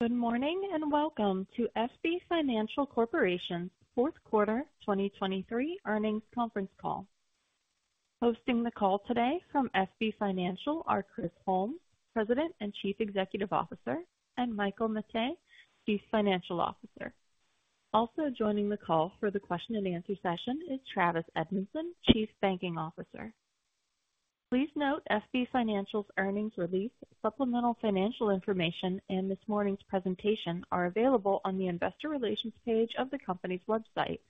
Good morning, and welcome to FB Financial Corporation's Q4 2023 earnings conference call. Hosting the call today from FB Financial are Chris Holmes, President and CEO, and Michael Mettee, CFO. Also joining the call for the question and answer session is Travis Edmondson, CBO. Please note, FB Financial's earnings release, supplemental financial information and this morning's presentation are available on the investor relations page of the company's website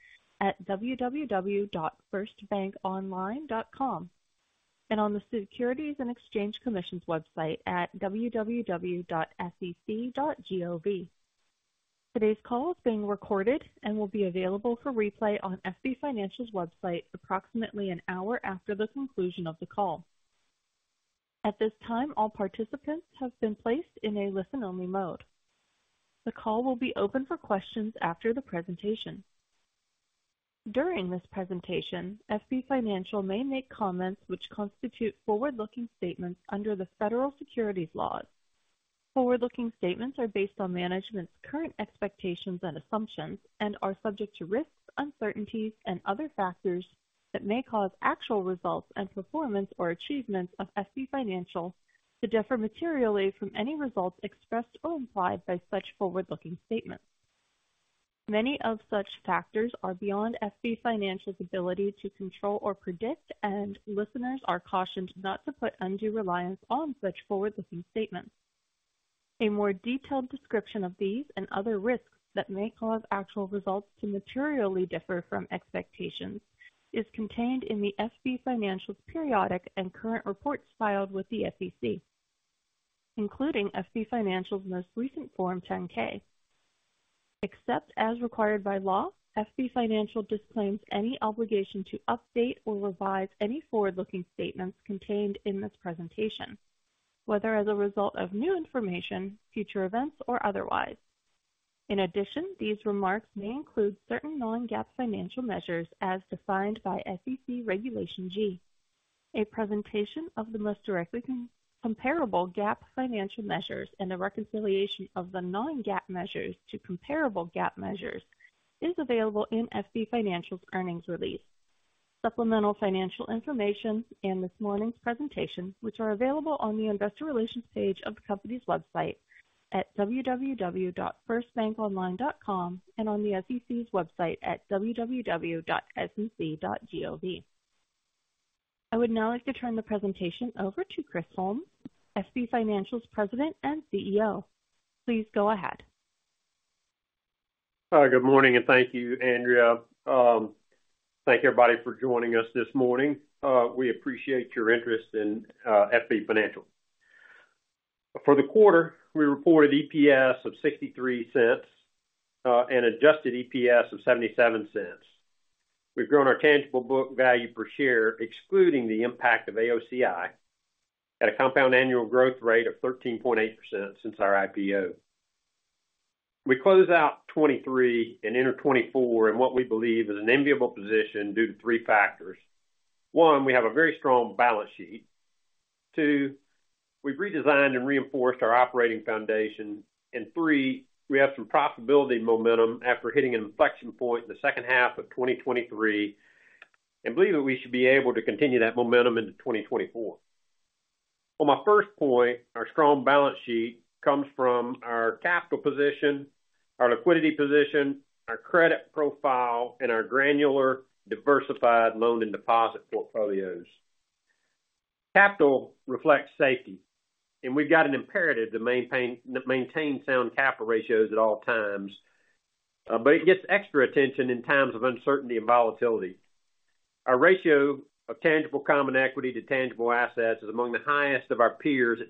at www.firstbankonline.com, and on the Securities and Exchange Commission's website at www.sec.gov. Today's call is being recorded and will be available for replay on FB Financial's website approximately an hour after the conclusion of the call. At this time, all participants have been placed in a listen-only mode. The call will be open for questions after the presentation. During this presentation, FB Financial may make comments which constitute forward-looking statements under the federal securities laws. Forward-looking statements are based on management's current expectations and assumptions and are subject to risks, uncertainties, and other factors that may cause actual results and performance or achievements of FB Financial to differ materially from any results expressed or implied by such forward-looking statements. Many of such factors are beyond FB Financial's ability to control or predict, and listeners are cautioned not to put undue reliance on such forward-looking statements. A more detailed description of these and other risks that may cause actual results to materially differ from expectations is contained in the FB Financial's periodic and current reports filed with the SEC, including FB Financial's most recent Form 10-K. Except as required by law, FB Financial disclaims any obligation to update or revise any forward-looking statements contained in this presentation, whether as a result of new information, future events, or otherwise. In addition, these remarks may include certain non-GAAP financial measures as defined by SEC Regulation G. A presentation of the most directly comparable GAAP financial measures and a reconciliation of the non-GAAP measures to comparable GAAP measures is available in FB Financial's earnings release, supplemental financial information, and this morning's presentation, which are available on the investor relations page of the company's website at www.firstbankonline.com and on the SEC's website at www.sec.gov. I would now like to turn the presentation over to Chris Holmes, FB Financial's President and CEO. Please go ahead. Hi, good morning, and thank you, Andrea. Thank you, everybody, for joining us this morning. We appreciate your interest in FB Financial. For the quarter, we reported EPS of $0.63 and adjusted EPS of $0.77. We've grown our tangible book value per share, excluding the impact of AOCI, at a compound annual growth rate of 13.8% since our IPO. We close out 2023 and enter 2024 in what we believe is an enviable position due to three factors. One, we have a very strong balance sheet. Two, we've redesigned and reinforced our operating foundation. And three, we have some profitability momentum after hitting an inflection point in the H2 of 2023, and believe that we should be able to continue that momentum into 2024. On my first point, our strong balance sheet comes from our capital position, our liquidity position, our credit profile, and our granular, diversified loan and deposit portfolios. Capital reflects safety, and we've got an imperative to maintain, maintain sound capital ratios at all times, but it gets extra attention in times of uncertainty and volatility. Our ratio of Tangible Common Equity to Tangible Assets is among the highest of our peers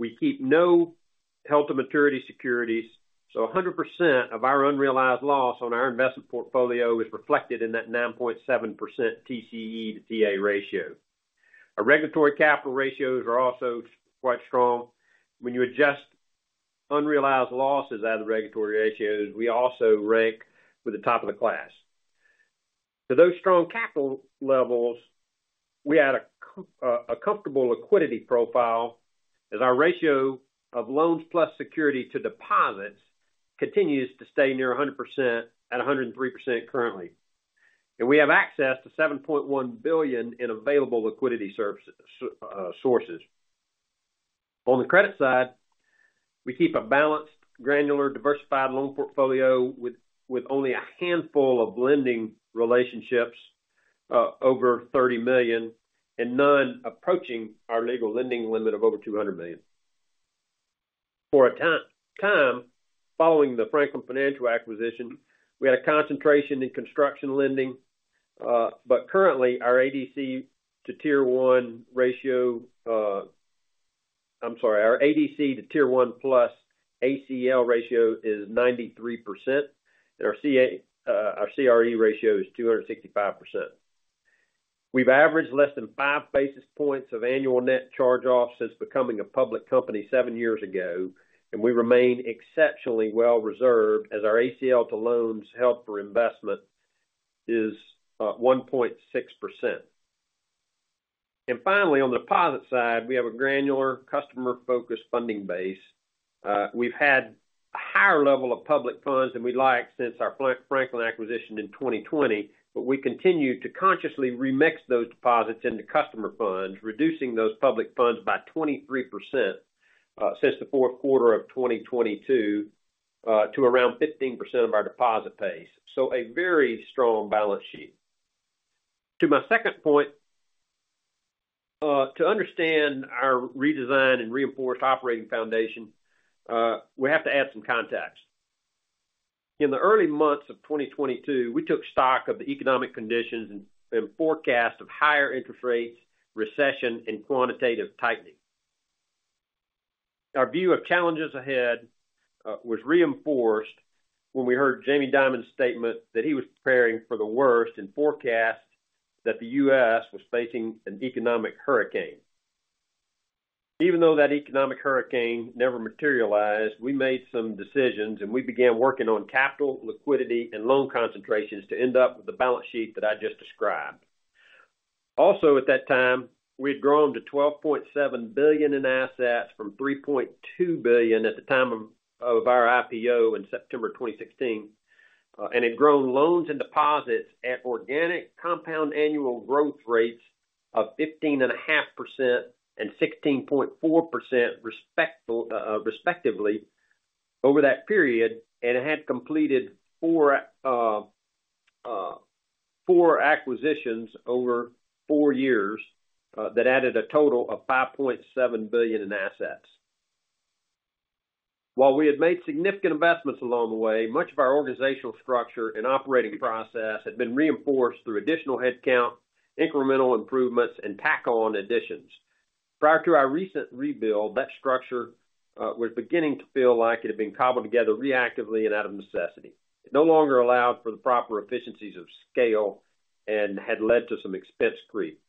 at 9.7%. We keep no held-to-maturity securities, so 100% of our unrealized loss on our investment portfolio is reflected in that 9.7% TCE to TA ratio. Our regulatory capital ratios are also quite strong. When you adjust unrealized losses out of the regulatory ratios, we also rank with the top of the class. To those strong capital levels, we add a comfortable liquidity profile as our ratio of loans plus security to deposits continues to stay near 100% at 103% currently, and we have access to $7.1 billion in available liquidity sources. On the credit side, we keep a balanced, granular, diversified loan portfolio with only a handful of lending relationships over $30 million and none approaching our legal lending limit of over $200 million. For a time following the Franklin Financial acquisition, we had a concentration in construction lending, but currently our ADC to Tier 1 ratio, I'm sorry, our ADC to Tier 1 plus ACL ratio is 93%, and our CRE ratio is 265%. We've averaged less than five basis points of annual net charge-offs since becoming a public company seven years ago, and we remain exceptionally well reserved as our ACL to loans held for investment is 1.6%.... And finally, on the deposit side, we have a granular customer-focused funding base. We've had a higher level of public funds than we'd like since our Franklin acquisition in 2020, but we continue to consciously remix those deposits into customer funds, reducing those public funds by 23%, since the Q4 of 2022, to around 15% of our deposit base. So a very strong balance sheet. To my second point, to understand our redesigned and reinforced operating foundation, we have to add some context. In the early months of 2022, we took stock of the economic conditions and forecast of higher interest rates, recession, and quantitative tightening. Our view of challenges ahead was reinforced when we heard Jamie Dimon's statement that he was preparing for the worst and forecast that the US was facing an economic hurricane. Even though that economic hurricane never materialized, we made some decisions, and we began working on capital, liquidity, and loan concentrations to end up with the balance sheet that I just described. Also, at that time, we had grown to $12.7 billion in assets from $3.2 billion at the time of our IPO in September 2016, and had grown loans and deposits at organic compound annual growth rates of 15.5% and 16.4% respectively, over that period, and had completed four acquisitions over four years that added a total of $5.7 billion in assets. While we had made significant investments along the way, much of our organizational structure and operating process had been reinforced through additional headcount, incremental improvements, and tack-on additions. Prior to our recent rebuild, that structure was beginning to feel like it had been cobbled together reactively and out of necessity. It no longer allowed for the proper efficiencies of scale and had led to some expense creep.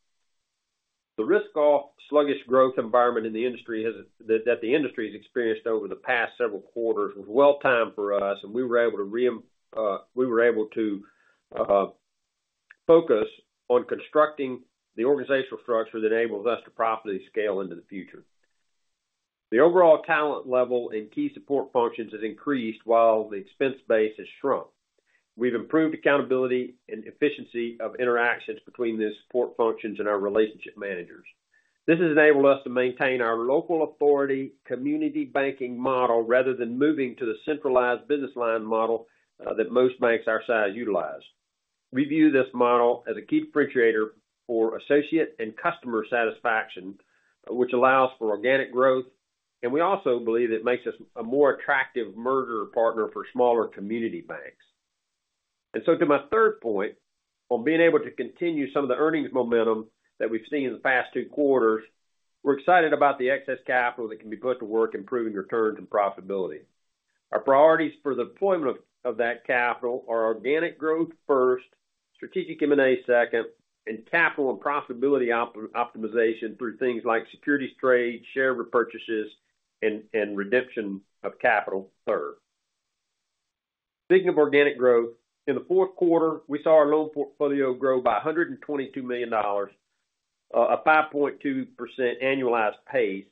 The risk-off sluggish growth environment in the industry that the industry has experienced over the past several quarters was well-timed for us, and we were able to focus on constructing the organizational structure that enables us to properly scale into the future. The overall talent level and key support functions has increased while the expense base has shrunk. We've improved accountability and efficiency of interactions between the support functions and our relationship managers. This has enabled us to maintain our local authority community banking model, rather than moving to the centralized business line model that most banks our size utilize. We view this model as a key differentiator for associate and customer satisfaction, which allows for organic growth, and we also believe it makes us a more attractive merger partner for smaller community banks. And so to my third point, on being able to continue some of the earnings momentum that we've seen in the past two quarters, we're excited about the excess capital that can be put to work improving returns and profitability. Our priorities for the deployment of that capital are organic growth first, strategic M&A second, and capital and profitability optimization through things like securities trade, share repurchases, and redemption of capital, third. Speaking of organic growth, in the Q4, we saw our loan portfolio grow by $122 million, a 5.2% annualized pace,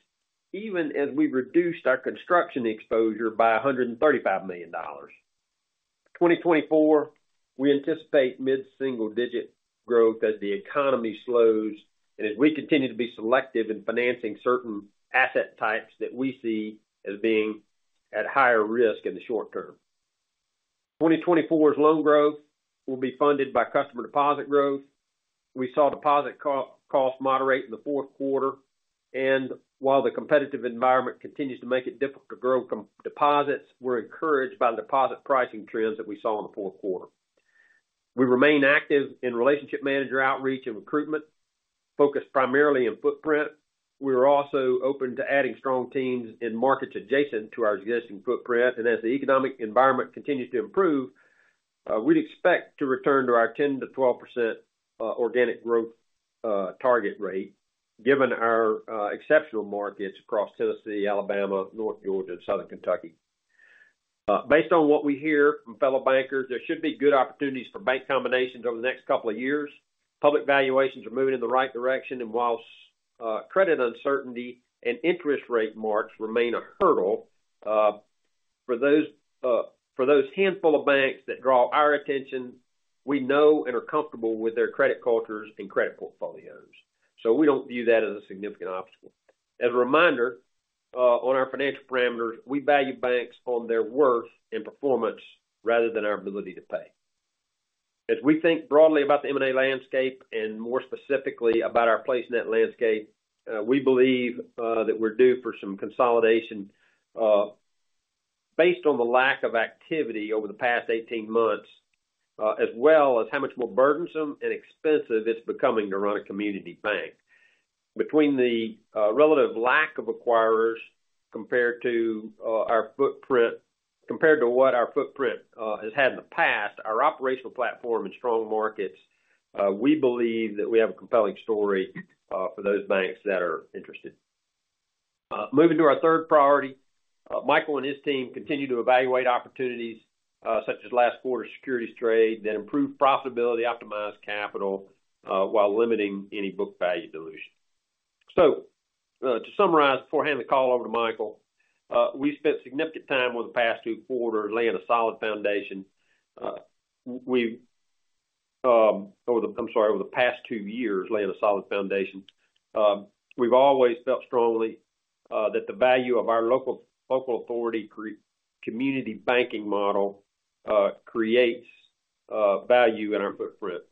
even as we reduced our construction exposure by $135 million. 2024, we anticipate mid-single-digit growth as the economy slows, and as we continue to be selective in financing certain asset types that we see as being at higher risk in the short term. 2024's loan growth will be funded by customer deposit growth. We saw deposit cost moderate in the Q4, and while the competitive environment continues to make it difficult to grow core deposits, we're encouraged by the deposit pricing trends that we saw in the Q4. We remain active in relationship manager outreach and recruitment, focused primarily in footprint. We are also open to adding strong teams in markets adjacent to our existing footprint, and as the economic environment continues to improve, we'd expect to return to our 10-12% organic growth target rate, given our exceptional markets across Tennessee, Alabama, North Georgia, and Southern Kentucky. Based on what we hear from fellow bankers, there should be good opportunities for bank combinations over the next couple of years. Public valuations are moving in the right direction, and while credit uncertainty and interest rate marks remain a hurdle for those handful of banks that draw our attention, we know and are comfortable with their credit cultures and credit portfolios. So we don't view that as a significant obstacle. As a reminder, on our financial parameters, we value banks on their worth and performance rather than our ability to pay. As we think broadly about the M&A landscape and more specifically about our place in that landscape, we believe that we're due for some consolidation, based on the lack of activity over the past 18 months, as well as how much more burdensome and expensive it's becoming to run a community bank. Between the relative lack of acquirers compared to what our footprint has had in the past, our operational platform and strong markets, we believe that we have a compelling story for those banks that are interested. Moving to our third priority, Michael and his team continue to evaluate opportunities, such as last quarter's securities trade, that improve profitability, optimize capital, while limiting any book value dilution. To summarize before handing the call over to Michael, we spent significant time over the past two years laying a solid foundation. We've always felt strongly that the value of our local authority community banking model creates value in our footprint.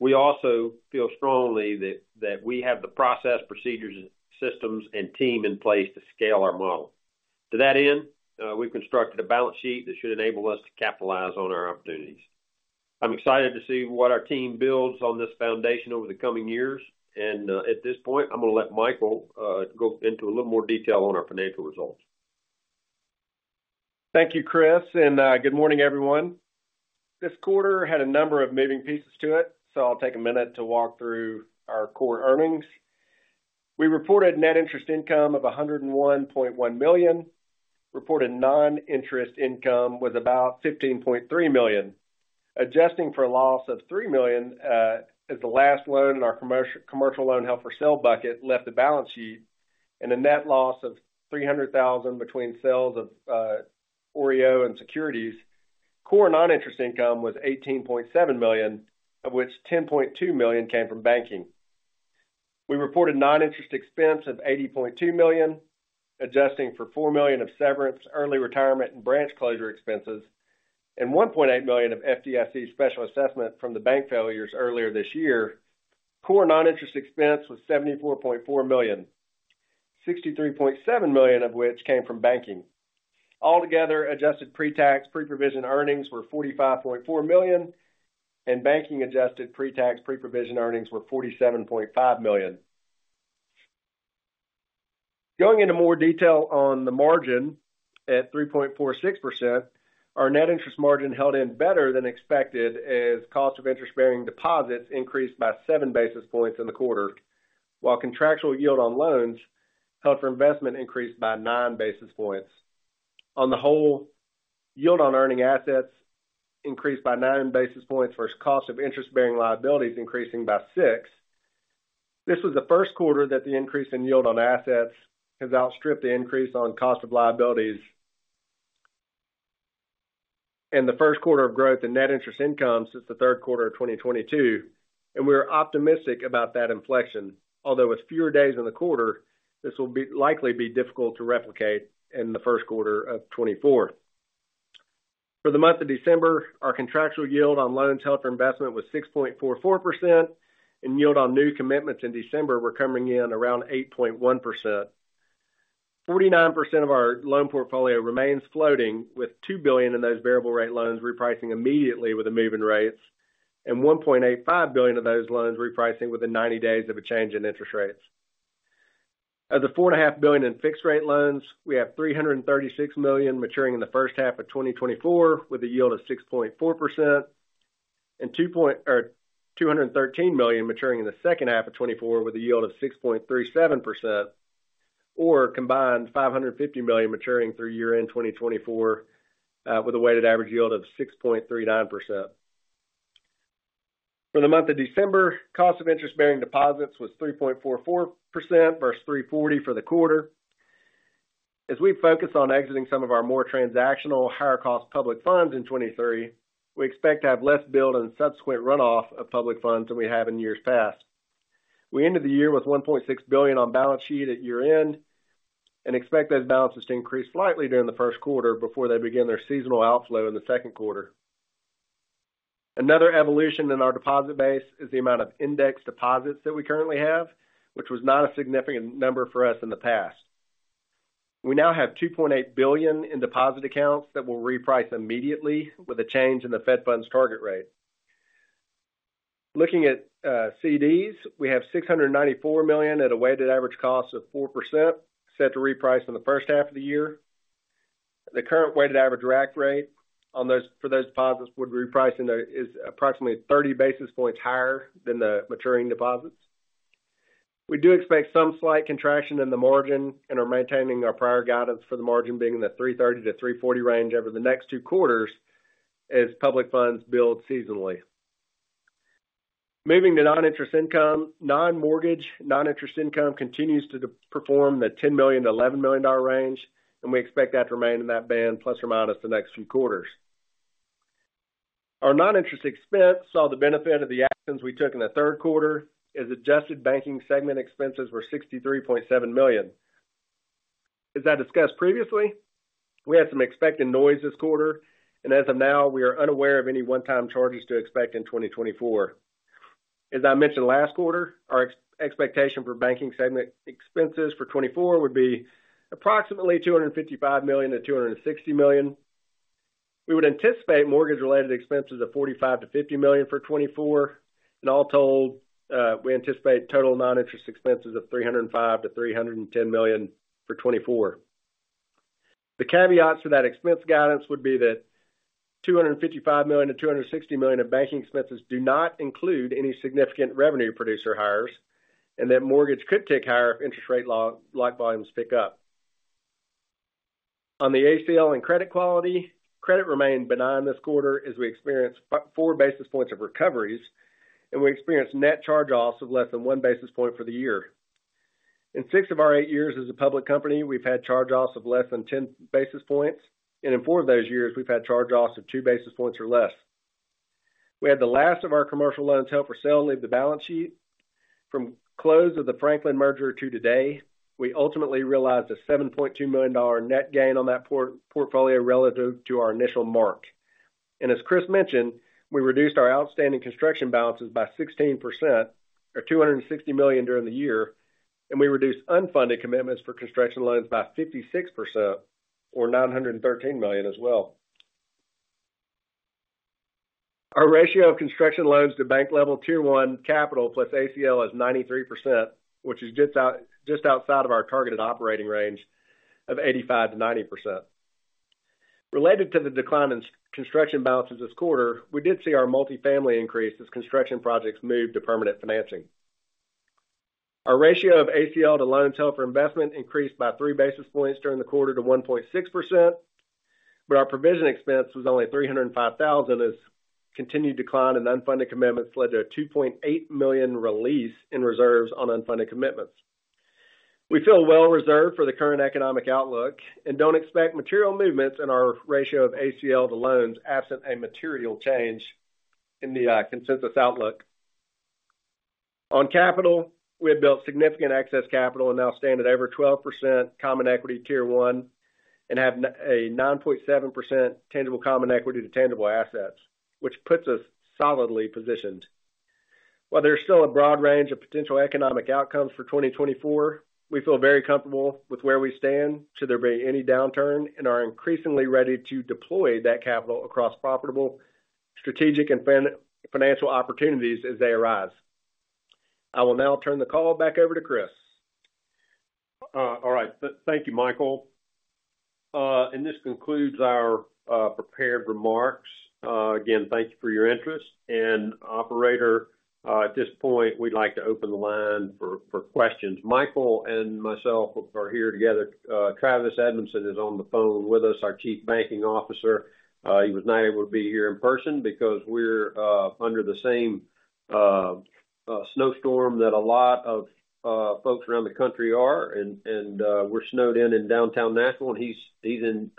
We also feel strongly that we have the process, procedures, systems, and team in place to scale our model. To that end, we've constructed a balance sheet that should enable us to capitalize on our opportunities. I'm excited to see what our team builds on this foundation over the coming years, and, at this point, I'm going to let Michael go into a little more detail on our financial results. Thank you, Chris, and good morning, everyone. This quarter had a number of moving pieces to it, so I'll take a minute to walk through our core earnings. We reported net interest income of $101.1 million. Reported non-interest income was about $15.3 million. Adjusting for a loss of $3 million as the last loan in our commercial loan held for sale bucket left the balance sheet, and a net loss of $300,000 between sales of OREO and securities, core non-interest income was $18.7 million, of which $10.2 million came from banking. We reported non-interest expense of $80.2 million, adjusting for $4 million of severance, early retirement, and branch closure expenses, and $1.8 million of FDIC special assessment from the bank failures earlier this year. Core non-interest expense was $74.4 million, $63.7 million of which came from banking. Altogether, adjusted pre-tax, pre-provision earnings were $45.4 million, and banking adjusted pre-tax, pre-provision earnings were $47.5 million. Going into more detail on the margin, at 3.46%, our net interest margin held in better than expected as cost of interest-bearing deposits increased by seven basis points in the quarter, while contractual yield on loans held for investment increased by nine basis points. On the whole, yield on earning assets increased by nine basis points versus cost of interest-bearing liabilities increasing by six. This was the Q1 that the increase in yield on assets has outstripped the increase on cost of liabilities. the Q1 of growth in net interest income since the Q3 of 2022, and we are optimistic about that inflection, although with fewer days in the quarter, this will likely be difficult to replicate in the Q1 of 2024. For the month of December, our contractual yield on loans held for investment was 6.44%, and yield on new commitments in December were coming in around 8.1%. 49% of our loan portfolio remains floating, with $2 billion in those variable rate loans repricing immediately with the move in rates, and $1.85 billion of those loans repricing within 90 days of a change in interest rates. Of the $4.5 billion in fixed rate loans, we have $336 million maturing in the H1 of 2024, with a yield of 6.4%, and two point-- or $213 million maturing in the H2 of 2024, with a yield of 6.37%, or a combined $550 million maturing through year-end 2024, with a weighted average yield of 6.39%. For the month of December, cost of interest-bearing deposits was 3.44% versus 3.40% for the quarter. As we focus on exiting some of our more transactional, higher-cost public funds in 2023, we expect to have less build and subsequent runoff of public funds than we have in years past. We ended the year with $1.6 billion on balance sheet at year-end and expect those balances to increase slightly during the Q1 before they begin their seasonal outflow in the Q2. Another evolution in our deposit base is the amount of index deposits that we currently have, which was not a significant number for us in the past. We now have $2.8 billion in deposit accounts that will reprice immediately with a change in the Fed Funds target rate. Looking at CDs, we have $694 million at a weighted average cost of 4%, set to reprice in the H1 of the year. The current weighted average rack rate on those for those deposits is approximately 30 basis points higher than the maturing deposits. We do expect some slight contraction in the margin and are maintaining our prior guidance for the margin being in the 3.30-3.40% range over the next two quarters as public funds build seasonally. Moving to non-interest income. Non-mortgage, non-interest income continues to perform in the $10 million-11 million range, and we expect that to remain in that band, plus or minus the next few quarters. Our non-interest expense saw the benefit of the actions we took in the Q3, as adjusted banking segment expenses were $63.7 million. As I discussed previously, we had some expected noise this quarter, and as of now, we are unaware of any one-time charges to expect in 2024. As I mentioned last quarter, our expectation for banking segment expenses for 2024 would be approximately $255 million-260 million. We would anticipate mortgage-related expenses of $45 million-50 million for 2024, and all told, we anticipate total non-interest expenses of $305 million-310 million for 2024. The caveat to that expense guidance would be that $255 million-260 million of banking expenses do not include any significant revenue producer hires and that mortgage could tick higher if interest rate lock volumes pick up. On the ACL and credit quality, credit remained benign this quarter as we experienced four basis points of recoveries, and we experienced net charge-offs of less than one basis point for the year. In six of our eight years as a public company, we've had charge-offs of less than 10 basis points, and in four of those years, we've had charge-offs of two basis points or less. We had the last of our commercial loans held for sale leave the balance sheet. From close of the Franklin merger to today, we ultimately realized a $7.2 million net gain on that portfolio relative to our initial mark. As Chris mentioned, we reduced our outstanding construction balances by 16% or $260 million during the year, and we reduced unfunded commitments for construction loans by 56% or $913 million as well. Our ratio of construction loans to bank level Tier 1 capital plus ACL is 93%, which is just outside of our targeted operating range of 85-90%. Related to the decline in construction balances this quarter, we did see our multifamily increase as construction projects moved to permanent financing. Our ratio of ACL to loans held for investment increased by three basis points during the quarter to 1.6%, but our provision expense was only $305,000, as continued decline in unfunded commitments led to a $2.8 million release in reserves on unfunded commitments. We feel well reserved for the current economic outlook and don't expect material movements in our ratio of ACL to loans, absent a material change in the consensus outlook. On capital, we have built significant excess capital and now stand at over 12% common equity Tier 1 and have and a 9.7% tangible common equity to tangible assets, which puts us solidly positioned. While there's still a broad range of potential economic outcomes for 2024, we feel very comfortable with where we stand should there be any downturn, and are increasingly ready to deploy that capital across profitable strategic and financial opportunities as they arise. I will now turn the call back over to Chris. All right. Thank you, Michael. And this concludes our prepared remarks. Again, thank you for your interest. Operator, at this point, we'd like to open the line for questions. Michael and myself are here together. Travis Edmondson is on the phone with us, our Chief Banking Officer. He was not able to be here in person because we're under the same snowstorm that a lot of folks around the country are, and we're snowed in in downtown Nashville, and he's in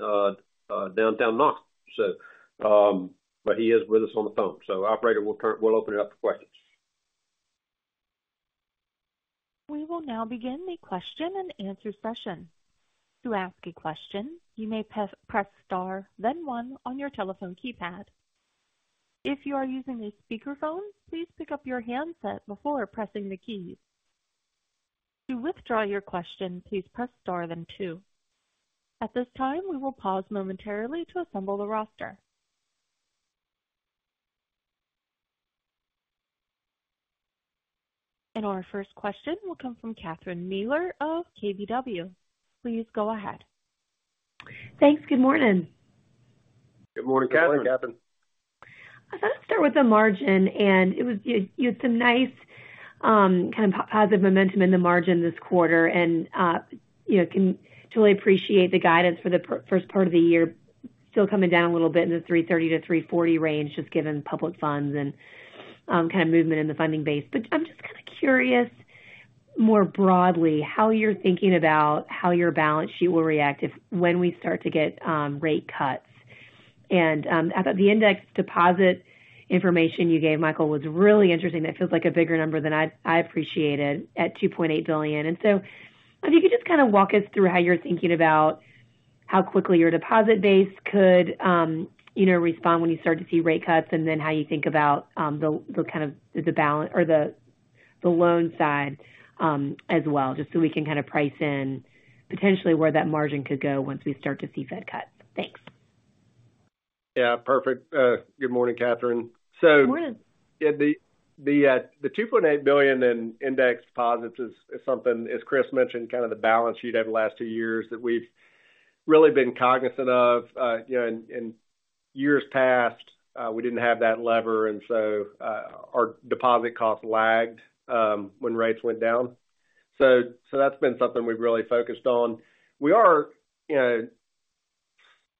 downtown Knoxville. But he is with us on the phone, so operator, we'll open it up to questions. We will now begin the question and answer session. To ask a question, you may press Star, then One on your telephone keypad. If you are using a speakerphone, please pick up your handset before pressing the keys. To withdraw your question, please press Star, then Two. At this time, we will pause momentarily to assemble the roster. Our first question will come from Catherine Mealor of KBW. Please go ahead. Thanks. Good morning. Good morning, Catherine. Good morning, Catherine. I thought I'd start with the margin, and it was you had some nice kind of positive momentum in the margin this quarter, and you know, can totally appreciate the guidance for the first part of the year. Still coming down a little bit in the 3.30-3.40 range, just given public funds and kind of movement in the funding base. But I'm just kind of curious, more broadly, how you're thinking about how your balance sheet will react if, when we start to get rate cuts. And I thought the index deposit information you gave, Michael, was really interesting. That feels like a bigger number than I appreciated at $2.8 billion. So if you could just kind of walk us through how you're thinking about how quickly your deposit base could, you know, respond when you start to see rate cuts, and then how you think about the kind of balance or the loan side, as well, just so we can kind of price in potentially where that margin could go once we start to see Fed cuts. Thanks. Yeah, perfect. Good morning, Catherine. Good morning. So the $2.8 billion in index deposits is something, as Chris mentioned, kind of the balance sheet over the last two years that we've really been cognizant of. You know, in years past, we didn't have that lever, and so our deposit costs lagged when rates went down. So that's been something we've really focused on. We are, you know,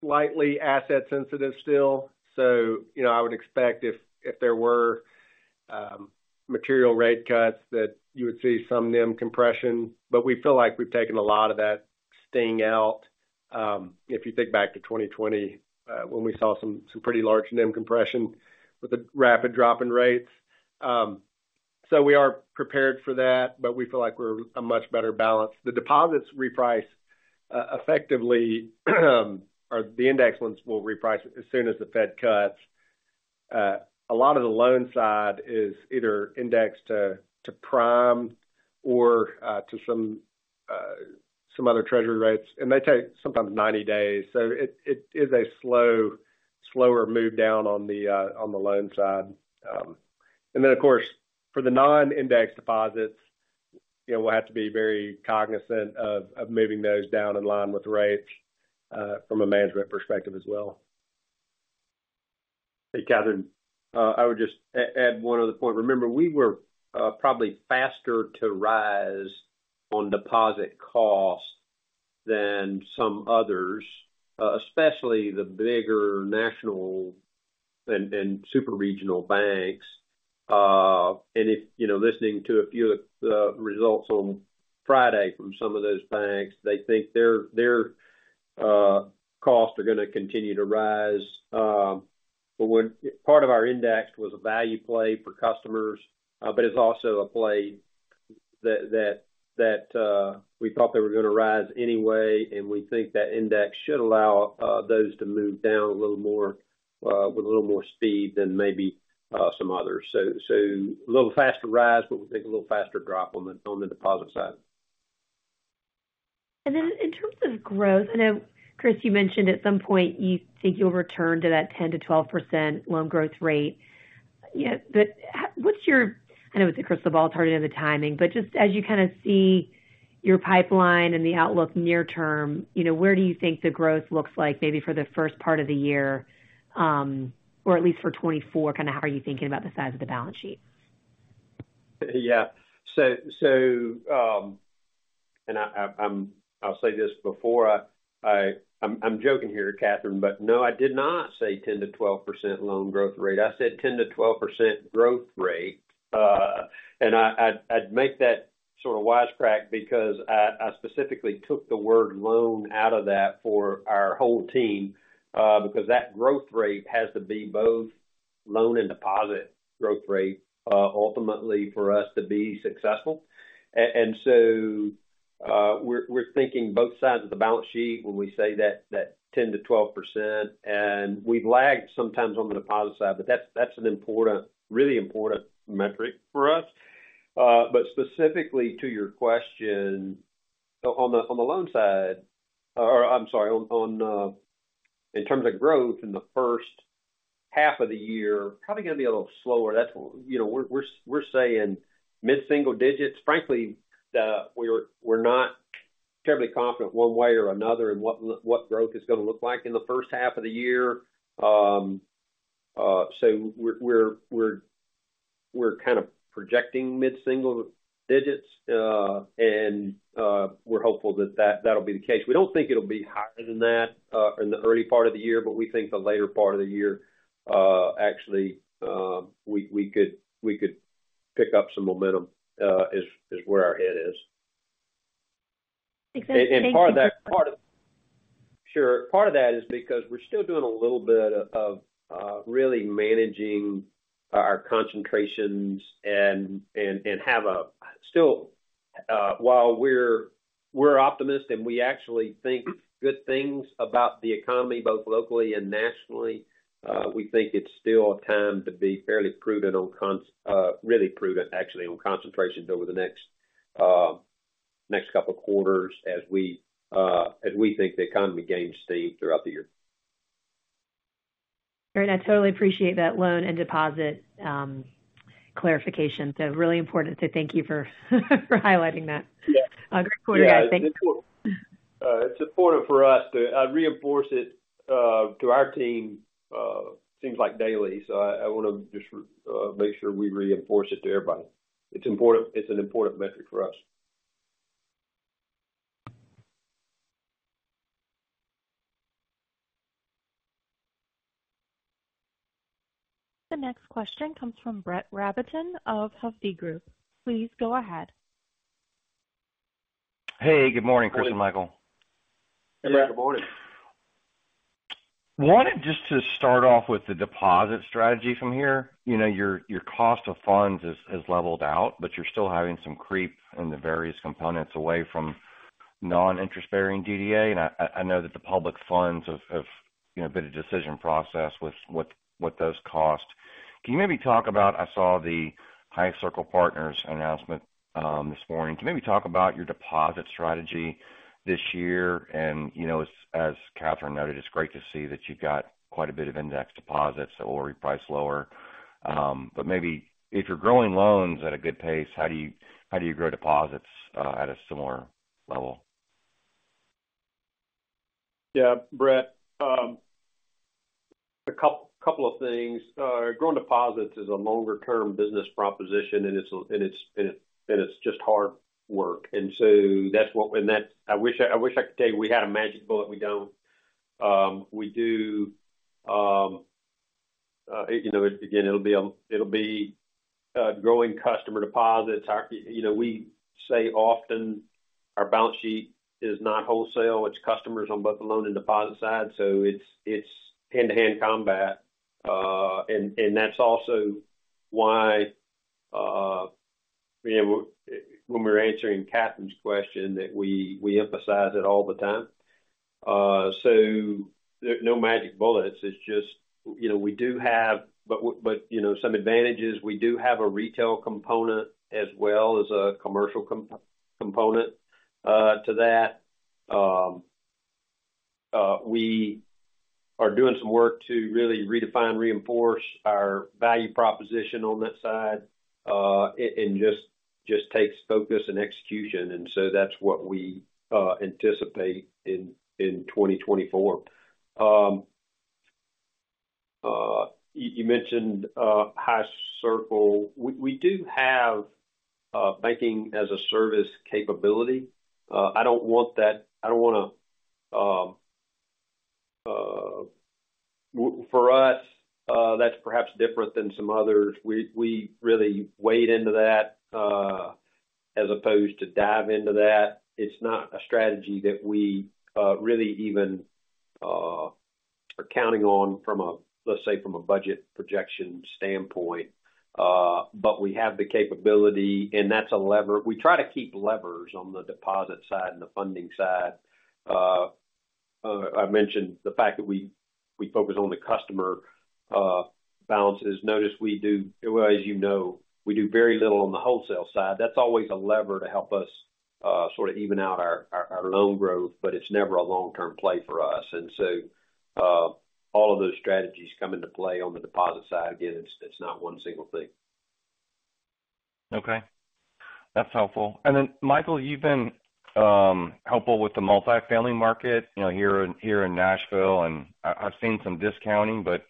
slightly asset sensitive still. So, you know, I would expect if there were material rate cuts, that you would see some NIM compression, but we feel like we've taken a lot of that sting out. If you think back to 2020, when we saw some pretty large NIM compression with a rapid drop in rates. So we are prepared for that, but we feel like we're a much better balance. The deposits reprice, effectively, or the index ones will reprice as soon as the Fed cuts. A lot of the loan side is either indexed to prime or to some other Treasury rates, and they take sometimes 90 days. So it is a slow-... slower move down on the, on the loan side. And then, of course, for the non-index deposits, you know, we'll have to be very cognizant of moving those down in line with rates, from a management perspective as well. Hey, Catherine, I would just add one other point. Remember, we were probably faster to rise on deposit costs than some others, especially the bigger national and super regional banks. And if, you know, listening to a few of the results on Friday from some of those banks, they think their costs are going to continue to rise. But when part of our index was a value play for customers, but it's also a play that we thought they were going to rise anyway, and we think that index should allow those to move down a little more with a little more speed than maybe some others. So a little faster rise, but we think a little faster drop on the deposit side. And then in terms of growth, I know, Chris, you mentioned at some point you think you'll return to that 10-12% loan growth rate. Yeah, but how... what's your... I know it's a crystal ball target of the timing, but just as you kind of see your pipeline and the outlook near term, you know, where do you think the growth looks like maybe for the first part of the year, or at least for 2024, kind of, how are you thinking about the size of the balance sheet? Yeah. So, and I'll say this before I'm joking here, Catherine, but no, I did not say 10-12% loan growth rate. I said 10-12% growth rate. And I'd make that sort of wisecrack because I specifically took the word loan out of that for our whole team, because that growth rate has to be both loan and deposit growth rate, ultimately for us to be successful. And so, we're thinking both sides of the balance sheet when we say that 10-12%, and we've lagged sometimes on the deposit side, but that's an important, really important metric for us. But specifically to your question, on the loan side, or I'm sorry, on in terms of growth in the H1 of the year, probably going to be a little slower. That's, you know, we're saying mid-single digits. Frankly, we're not terribly confident one way or another in what growth is going to look like in the H1 of the year. So we're kind of projecting mid-single digits, and we're hopeful that that'll be the case. We don't think it'll be higher than that in the early part of the year, but we think the later part of the year, actually, we could pick up some momentum, is where our head is. Excellent. Thank you- Part of that is because we're still doing a little bit of really managing our concentrations and still while we're optimistic, and we actually think good things about the economy, both locally and nationally. We think it's still a time to be fairly prudent on concentrations, really prudent, actually, over the next couple of quarters as we think the economy gains steam throughout the year. Great. I totally appreciate that loan and deposit clarification. So really important. So thank you for highlighting that. Yeah. Great quarter, guys. Thank you. Yeah, it's important. It's important for us to reinforce it to our team, seems like daily. So I, I want to just make sure we reinforce it to everybody. It's important. It's an important metric for us. The next question comes from Brett Rabatin of Hovde Group. Please go ahead. Hey, good morning, Chris and Michael. Hey, good morning. Wanted just to start off with the deposit strategy from here. You know, your cost of funds has leveled out, but you're still having some creep in the various components away from non-interest-bearing DA. And I know that the public funds have, you know, been a decision process with those costs. Can you maybe talk about. I saw the High Circle Partners announcement this morning. Can you maybe talk about your deposit strategy this year? And, you know, as Catherine noted, it's great to see that you've got quite a bit of index deposits that will reprice lower. But maybe if you're growing loans at a good pace, how do you grow deposits at a similar level? Yeah, Brett, a couple of things. Growing deposits is a longer-term business proposition, and it's just hard work. And so that's what I wish I could tell you we had a magic bullet. We don't. We do, you know, again, it'll be growing customer deposits. Our, you know, we say often our balance sheet is not wholesale, it's customers on both the loan and deposit side, so it's hand-to-hand combat. And that's also why, you know, when we were answering Catherine's question, we emphasize it all the time. So, there's no magic bullets. It's just, you know, we do have, but you know, some advantages, we do have a retail component as well as a commercial component to that. We are doing some work to really redefine, reinforce our value proposition on that side, and just takes focus and execution, and so that's what we anticipate in 2024. You mentioned High Circle. We do have banking-as-a-service capability. I don't want that-- I don't wanna... For us, that's perhaps different than some others. We really wade into that as opposed to dive into that. It's not a strategy that we really even are counting on from a, let's say, from a budget projection standpoint. But we have the capability, and that's a lever. We try to keep levers on the deposit side and the funding side. I mentioned the fact that we focus on the customer balances. Notice we do... Well, as you know, we do very little on the wholesale side. That's always a lever to help us sort of even out our loan growth, but it's never a long-term play for us. And so, all of those strategies come into play on the deposit side. Again, it's not one single thing. Okay. That's helpful. And then, Michael, you've been helpful with the multifamily market, you know, here in Nashville, and I've seen some discounting, but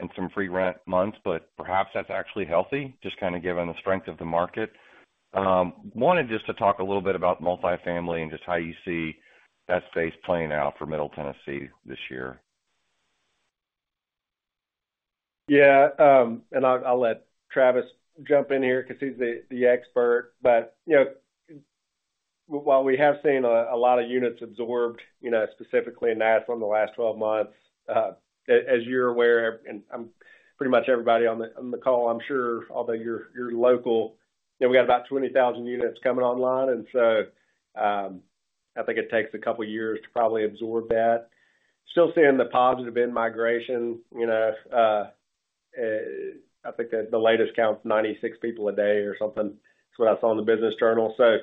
and some free rent months, but perhaps that's actually healthy, just kinda given the strength of the market. Wanted just to talk a little bit about multifamily and just how you see that space playing out for Middle Tennessee this year. Yeah, and I'll let Travis jump in here because he's the expert. But, you know, while we have seen a lot of units absorbed, you know, specifically in Nashville in the last 12 months, as you're aware, and pretty much everybody on the call, I'm sure, although you're local, you know, we got about 20,000 units coming online, and so I think it takes a couple of years to probably absorb that. Still seeing the positive in-migration, you know, I think the latest count is 96 people a day or something. That's what I saw on the business journal. So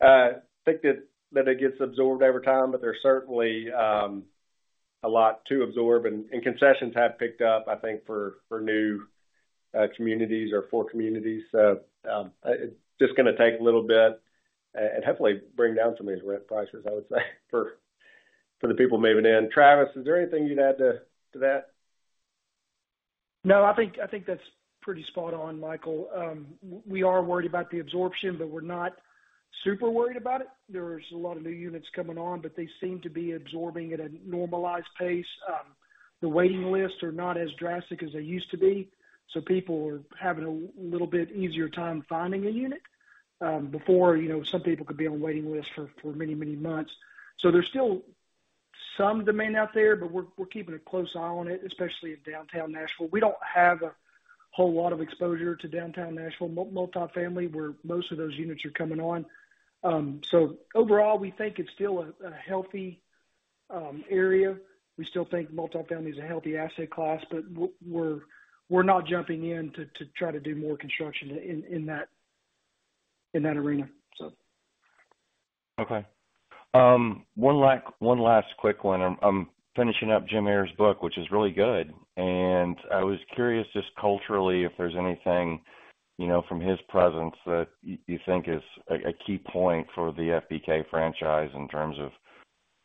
I think that it gets absorbed over time, but there's certainly a lot to absorb, and concessions have picked up, I think, for new communities or for communities. So, it's just gonna take a little bit and hopefully bring down some of these rent prices, I would say, for, for the people moving in. Travis, is there anything you'd add to, to that? No, I think, I think that's pretty spot on, Michael. We are worried about the absorption, but we're not super worried about it. There's a lot of new units coming on, but they seem to be absorbing at a normalized pace. The waiting lists are not as drastic as they used to be, so people are having a little bit easier time finding a unit. Before, you know, some people could be on waiting lists for many, many months. So there's still some demand out there, but we're keeping a close eye on it, especially in downtown Nashville. We don't have a whole lot of exposure to downtown Nashville multifamily, where most of those units are coming on. So overall, we think it's still a healthy area. We still think multifamily is a healthy asset class, but we're not jumping in to try to do more construction in that arena, so. Okay. One last quick one. I'm finishing up Jim Ayers' book, which is really good, and I was curious, just culturally, if there's anything, you know, from his presence that you think is a key point for the FBK franchise in terms of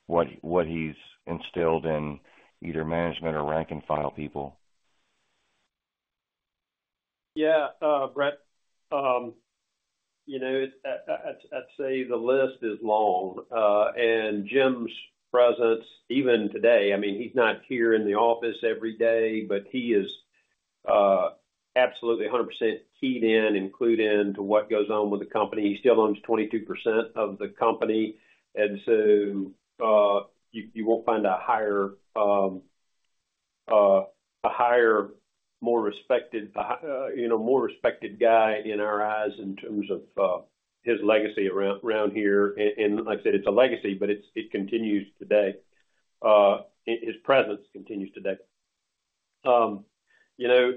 what he, what he's instilled in either management or rank-and-file people? Yeah, Brett, you know, I'd say the list is long. And Jim's presence, even today, I mean, he's not here in the office every day, but he is absolutely 100% keyed in, included into what goes on with the company. He still owns 22% of the company, and so you won't find a higher, more respected guy in our eyes in terms of his legacy around here. And like I said, it's a legacy, but it continues today. His presence continues today. You know,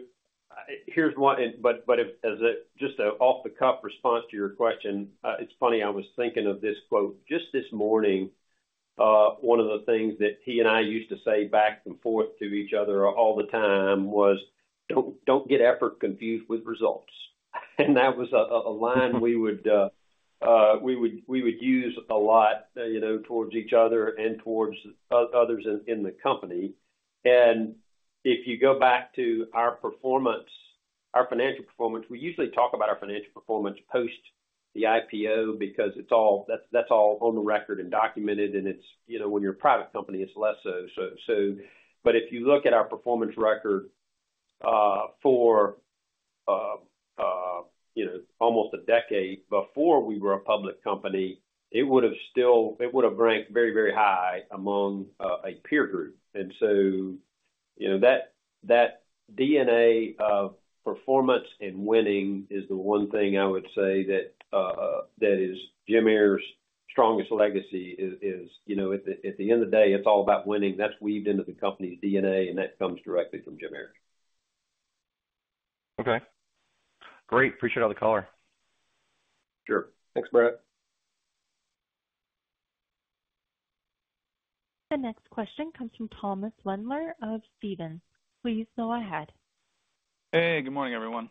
here's one, but as a just an off-the-cuff response to your question, it's funny, I was thinking of this quote just this morning. One of the things that he and I used to say back and forth to each other all the time was, "Don't, don't get effort confused with results." And that was a line we would use a lot, you know, towards each other and towards others in the company. And if you go back to our performance, our financial performance, we usually talk about our financial performance post the IPO because it's all that's all on the record and documented, and it's, you know, when you're a private company, it's less so. But if you look at our performance record, you know, almost a decade before we were a public company, it would have still ranked very, very high among a peer group. And so, you know, that DNA of performance and winning is the one thing I would say that is Jim Ayers' strongest legacy, you know, at the end of the day, it's all about winning. That's weaved into the company's DNA, and that comes directly from Jim Ayers.... Okay, great. Appreciate all the color. Sure. Thanks, Brett. The next question comes from Thomas Wendler of Stephens. Please go ahead. Hey, good morning, everyone.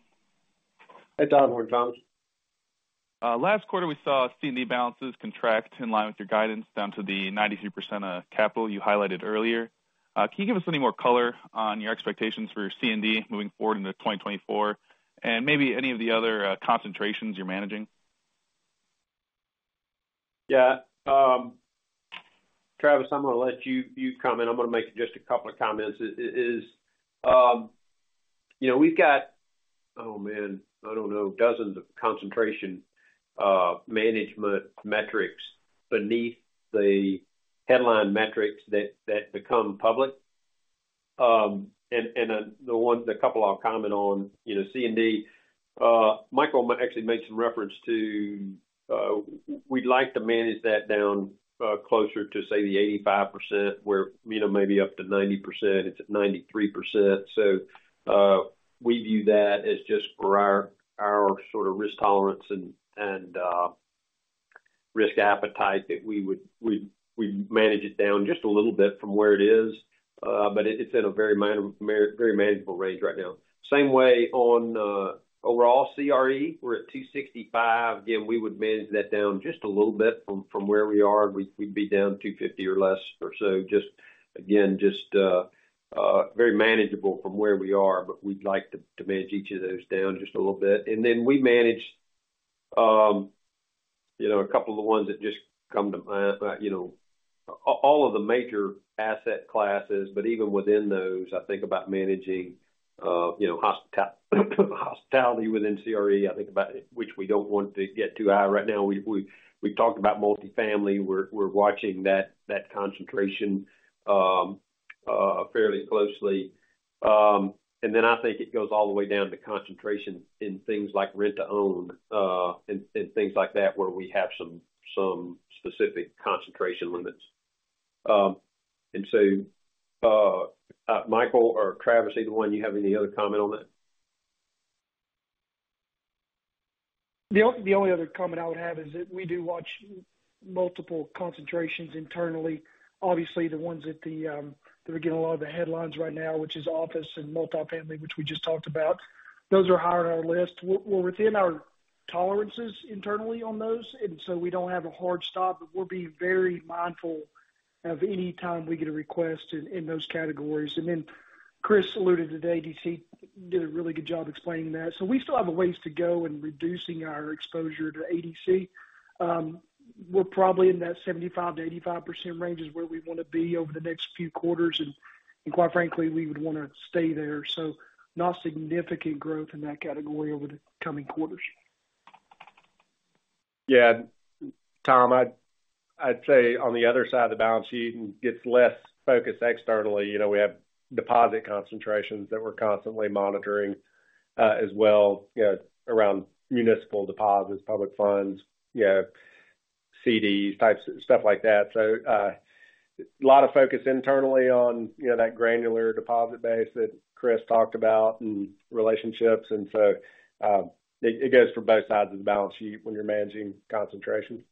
Hey, Tom. Morning, Tom. Last quarter, we saw C&D balances contract in line with your guidance down to the 93% of capital you highlighted earlier. Can you give us any more color on your expectations for C&D moving forward into 2024, and maybe any of the other concentrations you're managing? Yeah. Travis, I'm going to let you comment. I'm going to make just a couple of comments. You know, we've got, I don't know, dozens of concentration management metrics beneath the headline metrics that become public. And the ones, the couple I'll comment on, you know, C&D, Michael actually made some reference to, we'd like to manage that down closer to, say, the 85%, we're, you know, maybe up to 90%. It's at 93%. We view that as just for our sort of risk tolerance and risk appetite, that we manage it down just a little bit from where it is. But it's in a very minor, very manageable range right now. Same way on overall CRE, we're at 265. Again, we would manage that down just a little bit from where we are. We'd be down 250 or less or so. Just again, just very manageable from where we are, but we'd like to manage each of those down just a little bit. And then we manage, you know, a couple of the ones that just come to mind, you know, all of the major asset classes, but even within those, I think about managing, you know, hospitality within CRE, I think about it, which we don't want to get too high right now. We've talked about multifamily. We're watching that concentration fairly closely. And then I think it goes all the way down to concentration in things like rent-to-own, and things like that, where we have some specific concentration limits. And so, Michael or Travis, either one, you have any other comment on that? The only other comment I would have is that we do watch multiple concentrations internally. Obviously, the ones that are getting a lot of the headlines right now, which is office and multifamily, which we just talked about, those are higher on our list. We're within our tolerances internally on those, and so we don't have a hard stop, but we're being very mindful of any time we get a request in those categories. And then Chris alluded to the ADC, did a really good job explaining that. So we still have a ways to go in reducing our exposure to ADC. We're probably in that 75-85% range is where we want to be over the next few quarters, and quite frankly, we would want to stay there. Not significant growth in that category over the coming quarters. Yeah, Tom, I'd say on the other side of the balance sheet, and gets less focus externally, you know, we have deposit concentrations that we're constantly monitoring, as well, you know, around municipal deposits, public funds, you know, CDs types, stuff like that. So, a lot of focus internally on, you know, that granular deposit base that Chris talked about and relationships. And so, it goes for both sides of the balance sheet when you're managing concentration.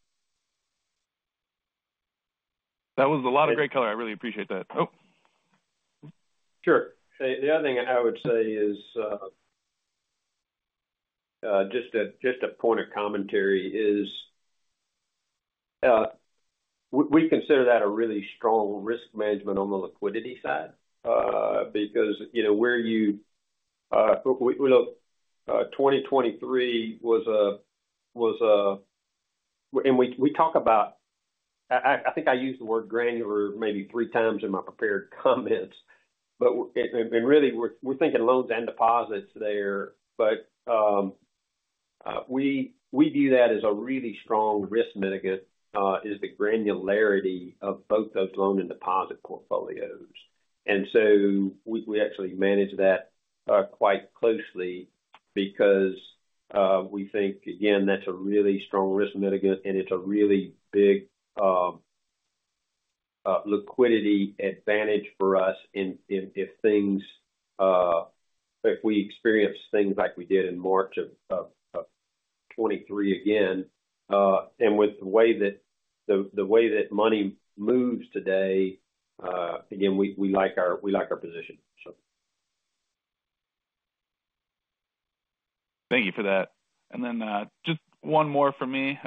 That was a lot of great color. I really appreciate that. Oh! Sure. The other thing I would say is just a point of commentary is we consider that a really strong risk management on the liquidity side because, you know, we look, 2023 was a... And we talk about, I think I used the word granular maybe three times in my prepared comments, but, and really, we're thinking loans and deposits there. But we view that as a really strong risk mitigant, is the granularity of both those loan and deposit portfolios. And so we actually manage that quite closely because we think, again, that's a really strong risk mitigant, and it's a really big liquidity advantage for us in, if things if we experience things like we did in March of 2023 again, and with the way that the way that money moves today, again, we like our position, so. Thank you for that. And then, just one more from me.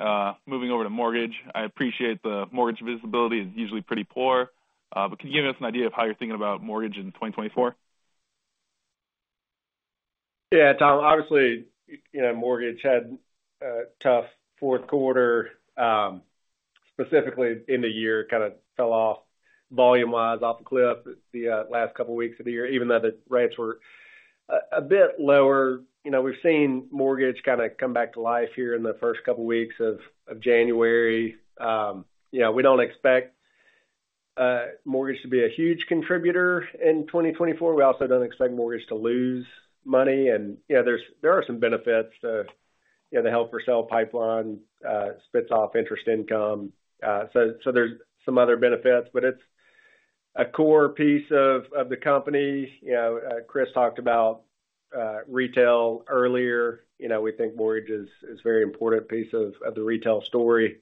Moving over to mortgage. I appreciate the mortgage visibility is usually pretty poor, but can you give us an idea of how you're thinking about mortgage in 2024? Yeah, Tom, obviously, you know, mortgage had a tough Q4, specifically end of year, kind of fell off volume-wise off a cliff the last couple weeks of the year, even though the rates were a bit lower. You know, we've seen mortgage kind of come back to life here in the first couple weeks of January. You know, we don't expect mortgage to be a huge contributor in 2024. We also don't expect mortgage to lose money. And, you know, there's—there are some benefits to, you know, the held for sale pipeline spits off interest income. So, there's some other benefits, but it's-... a core piece of the company. You know, Chris talked about retail earlier. You know, we think mortgage is a very important piece of the retail story,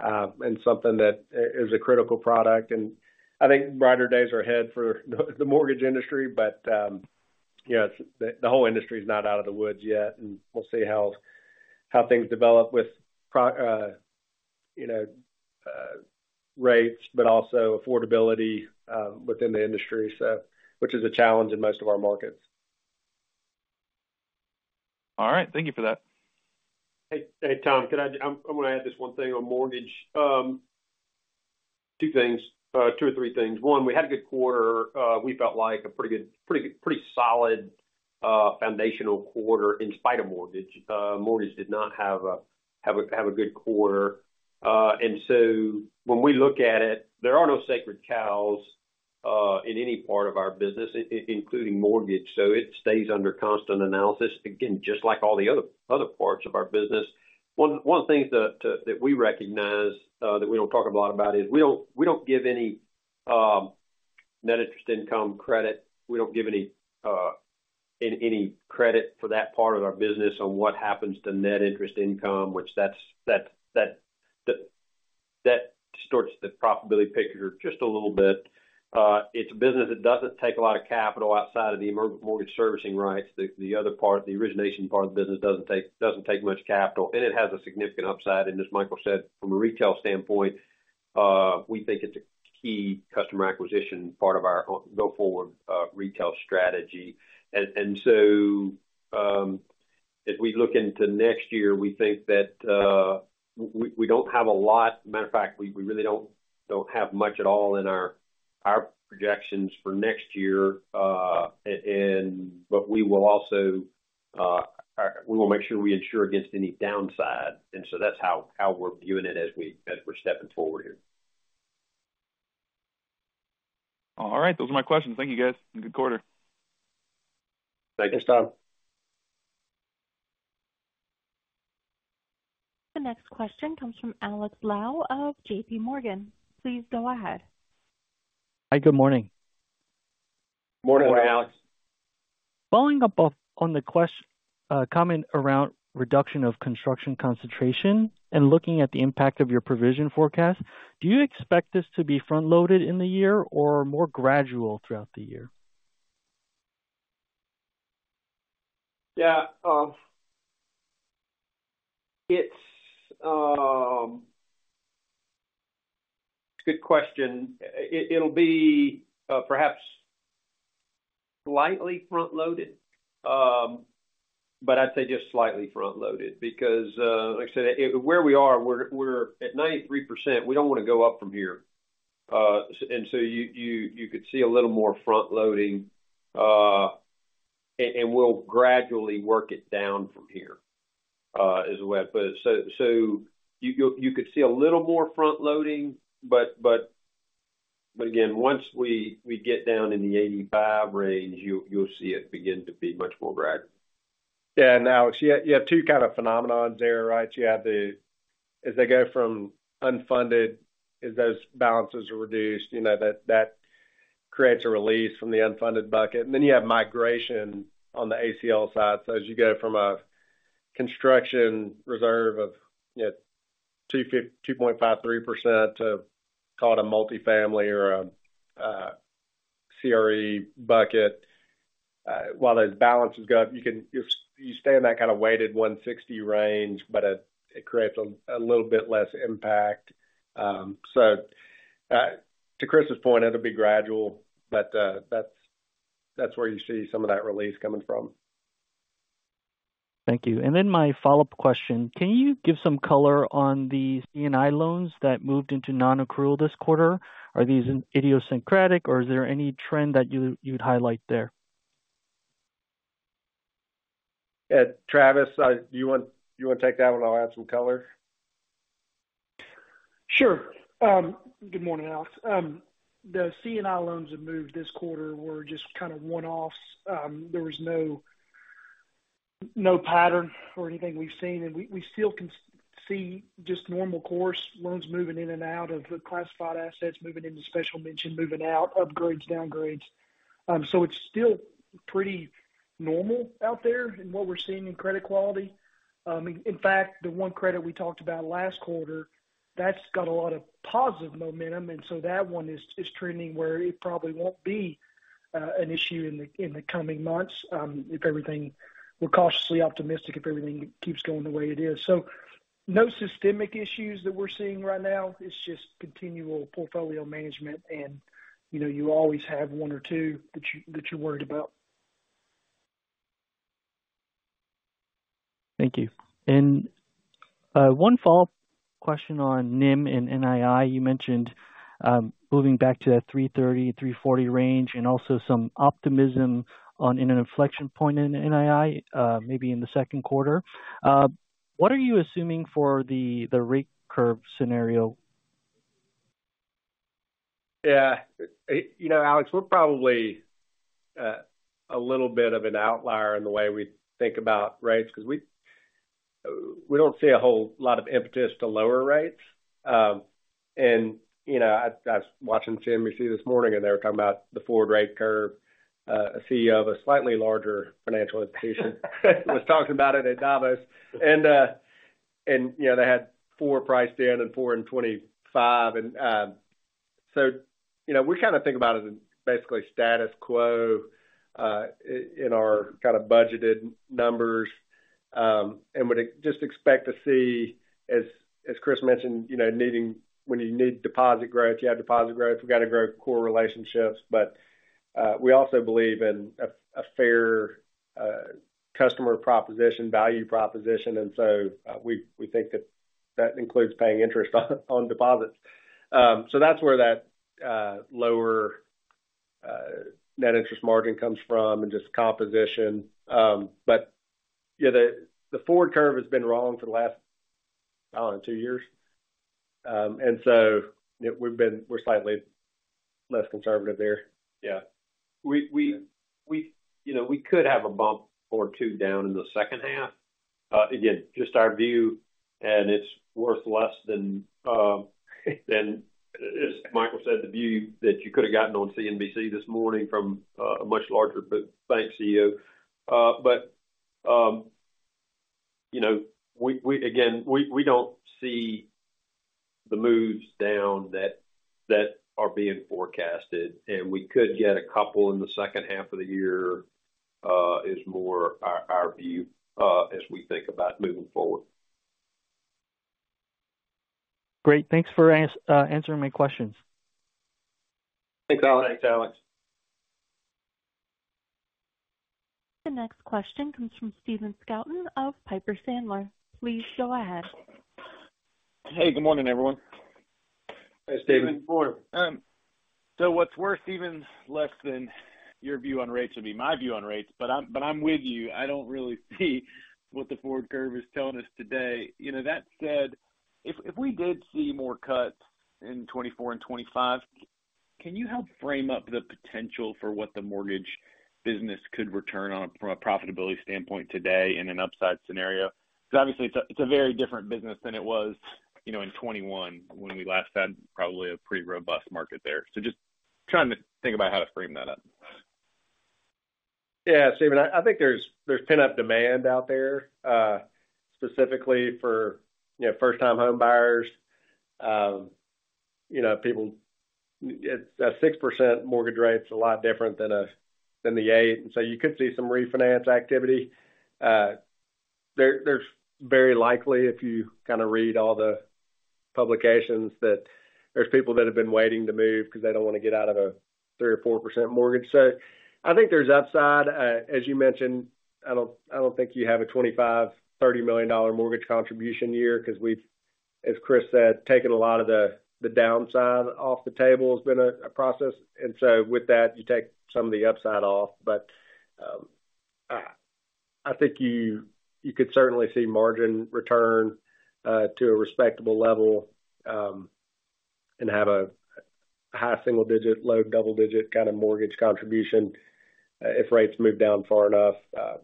and something that is a critical product. And I think brighter days are ahead for the mortgage industry, but you know, the whole industry is not out of the woods yet, and we'll see how things develop with, you know, rates, but also affordability within the industry, so which is a challenge in most of our markets. All right. Thank you for that. Hey, hey, Tom, could I—I'm going to add just one thing on mortgage. Two things, two or three things. One, we had a good quarter. We felt like a pretty good, pretty solid foundational quarter in spite of mortgage. Mortgage did not have a good quarter. And so when we look at it, there are no sacred cows in any part of our business, including mortgage, so it stays under constant analysis, again, just like all the other parts of our business. One of the things that we recognize that we don't talk a lot about is we don't give any net interest income credit. We don't give any credit for that part of our business on what happens to net interest income, which that distorts the profitability picture just a little bit. It's a business that doesn't take a lot of capital outside of the mortgage servicing rights. The other part, the origination part of the business doesn't take much capital, and it has a significant upside. And as Michael said, from a retail standpoint, we think it's a key customer acquisition part of our go-forward retail strategy. And so, as we look into next year, we think that we don't have a lot—matter of fact, we really don't have much at all in our projections for next year. But we will also, we will make sure we insure against any downside, and so that's how, how we're viewing it as we, as we're stepping forward here. All right. Those are my questions. Thank you, guys. Have a good quarter. Thank you, Tom. The next question comes from Alex Lau of JPMorgan. Please go ahead. Hi, good morning. Morning, Alex. Following up on the question comment around reduction of construction concentration and looking at the impact of your provision forecast, do you expect this to be front-loaded in the year or more gradual throughout the year? Yeah, it's... Good question. It'll be perhaps slightly front-loaded, but I'd say just slightly front-loaded, because, like I said, where we are, we're at 93%, we don't want to go up from here. And so you could see a little more front-loading, and we'll gradually work it down from here, as well. But so you could see a little more front-loading, but again, once we get down in the 85 range, you'll see it begin to be much more gradual. Yeah, and Alex, you have two kind of phenomenons there, right? You have the, as they go from unfunded, as those balances are reduced, you know, that creates a release from the unfunded bucket. And then you have migration on the ACL side. So as you go from a construction reserve of, you know, 2.50, 2.5, 3% to call it a multifamily or a CRE bucket, while those balances go up, you can stay in that kind of weighted 1.60 range, but it creates a little bit less impact. So to Chris's point, it'll be gradual, but that's where you see some of that release coming from. Thank you. And then my follow-up question: Can you give some color on the C&I loans that moved into non-accrual this quarter? Are these idiosyncratic, or is there any trend that you'd highlight there? Travis, do you want to take that one, and I'll add some color? Sure. Good morning, Alex. The C&I loans that moved this quarter were just kind of one-offs. There was no pattern or anything we've seen, and we still can see just normal course loans moving in and out of the classified assets, moving into special mention, moving out, upgrades, downgrades. So it's still pretty normal out there in what we're seeing in credit quality. In fact, the one credit we talked about last quarter, that's got a lot of positive momentum, and so that one is trending where it probably won't be an issue in the coming months, if everything, we're cautiously optimistic, if everything keeps going the way it is. So no systemic issues that we're seeing right now. It's just continual portfolio management, and, you know, you always have one or two that you're worried about. Thank you. And, one follow-up question on NIM and NII. You mentioned, moving back to that 3.30-3.40 range, and also some optimism on an inflection point in NII, maybe in the Q2. What are you assuming for the rate curve scenario? Yeah, you know, Alex, we're probably a little bit of an outlier in the way we think about rates, because we, we don't see a whole lot of impetus to lower rates. And, you know, I, I was watching CNBC this morning, and they were talking about the forward rate curve. A CEO of a slightly larger financial institution was talking about it at Davos. And, and, you know, they had 4 priced in and 4 in 25. And, so, you know, we kind of think about it as basically status quo, in our kind of budgeted numbers, and would just expect to see, as, as Chris mentioned, you know, needing—when you need deposit growth, you have deposit growth, we've got to grow core relationships. But, we also believe in a fair customer proposition, value proposition, and so we think that that includes paying interest on deposits. So that's where that lower net interest margin comes from and just composition. But, yeah, the forward curve has been wrong for the last, I don't know, two years? And so we've been. We're slightly less conservative there. Yeah. We, you know, we could have a bump or two down in the H2. Again, just our view, and it's worth less than, as Michael said, the view that you could have gotten on CNBC this morning from a much larger bank CEO. But, you know, again, we don't see the moves down that are being forecasted, and we could get a couple in the H2 of the year is more our view, as we think about moving forward. Great. Thanks for answering my questions. Thanks, Alex. Thanks, Alex. The next question comes from Stephen Scouten of Piper Sandler. Please go ahead. Hey, good morning, everyone. Hey, Stephen. Good morning. So what's worth even less than your view on rates would be my view on rates, but I'm, but I'm with you. I don't really see what the forward curve is telling us today. You know, that said, if, if we did see more cuts in 2024 and 2025, can you help frame up the potential for what the mortgage business could return on from a profitability standpoint today in an upside scenario? Because obviously, it's a, it's a very different business than it was, you know, in 2021, when we last had probably a pretty robust market there. So just trying to think about how to frame that up. Yeah, Stephen, I think there's pent-up demand out there, specifically for, you know, first-time homebuyers. You know, people—a 6% mortgage rate is a lot different than the 8, so you could see some refinance activity. There's very likely, if you kind of read all the publications, that there's people that have been waiting to move because they don't want to get out of a 3% or 4% mortgage. So I think there's upside. As you mentioned, I don't think you have a $25-30 million mortgage contribution year because we've, as Chris said, taken a lot of the downside off the table. That has been a process. And so with that, you take some of the upside off. But, I think you could certainly see margin return to a respectable level, and have a high single digit, low double digit kind of mortgage contribution, if rates move down far enough.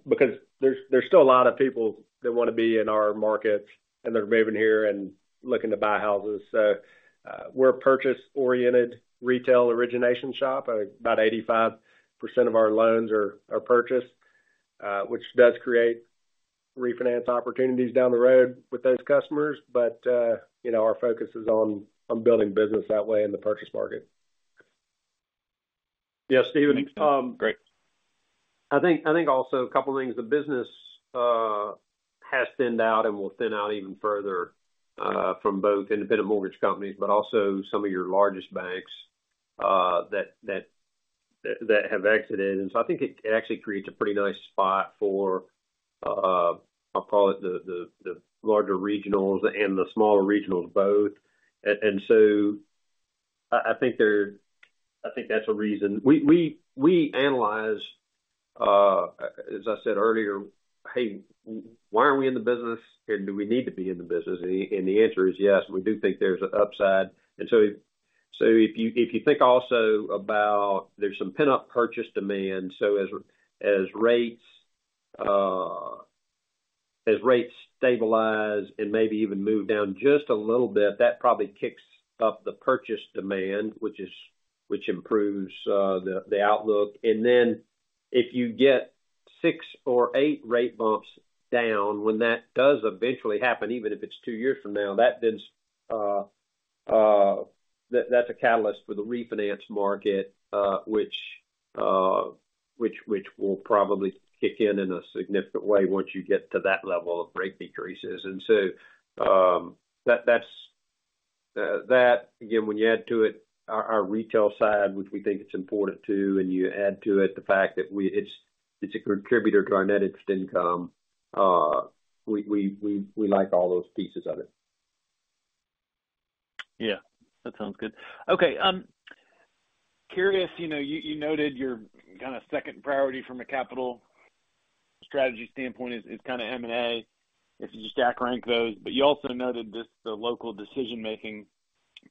Because there's still a lot of people that want to be in our markets, and they're moving here and looking to buy houses. So, we're a purchase-oriented retail origination shop. About 85% of our loans are purchased, which does create refinance opportunities down the road with those customers. But, you know, our focus is on building business that way in the purchase market. Yeah, Stephen, Great. I think, I think also a couple of things. The business, has thinned out and will thin out even further, from both independent mortgage companies, but also some of your largest banks, that have exited. And so I think it actually creates a pretty nice spot for, I'll call it the larger regionals and the smaller regionals, both. And so I think there—I think that's a reason. We analyze, as I said earlier: Hey, why are we in the business and do we need to be in the business? And the answer is yes, we do think there's an upside. So if you think also about there's some pent-up purchase demand, so as rates stabilize and maybe even move down just a little bit, that probably kicks up the purchase demand, which improves the outlook. And then if you get six or eight rate bumps down, when that does eventually happen, even if it's two years from now, that then that's a catalyst for the refinance market, which will probably kick in in a significant way once you get to that level of rate decreases. And so, that's, again, when you add to it our retail side, which we think it's important too, and you add to it the fact that it's a contributor to our net interest income. We like all those pieces of it. Yeah, that sounds good. Okay, curious, you know, you noted your kind of second priority from a capital strategy standpoint is kind of M&A, if you just stack rank those. But you also noted just the local decision-making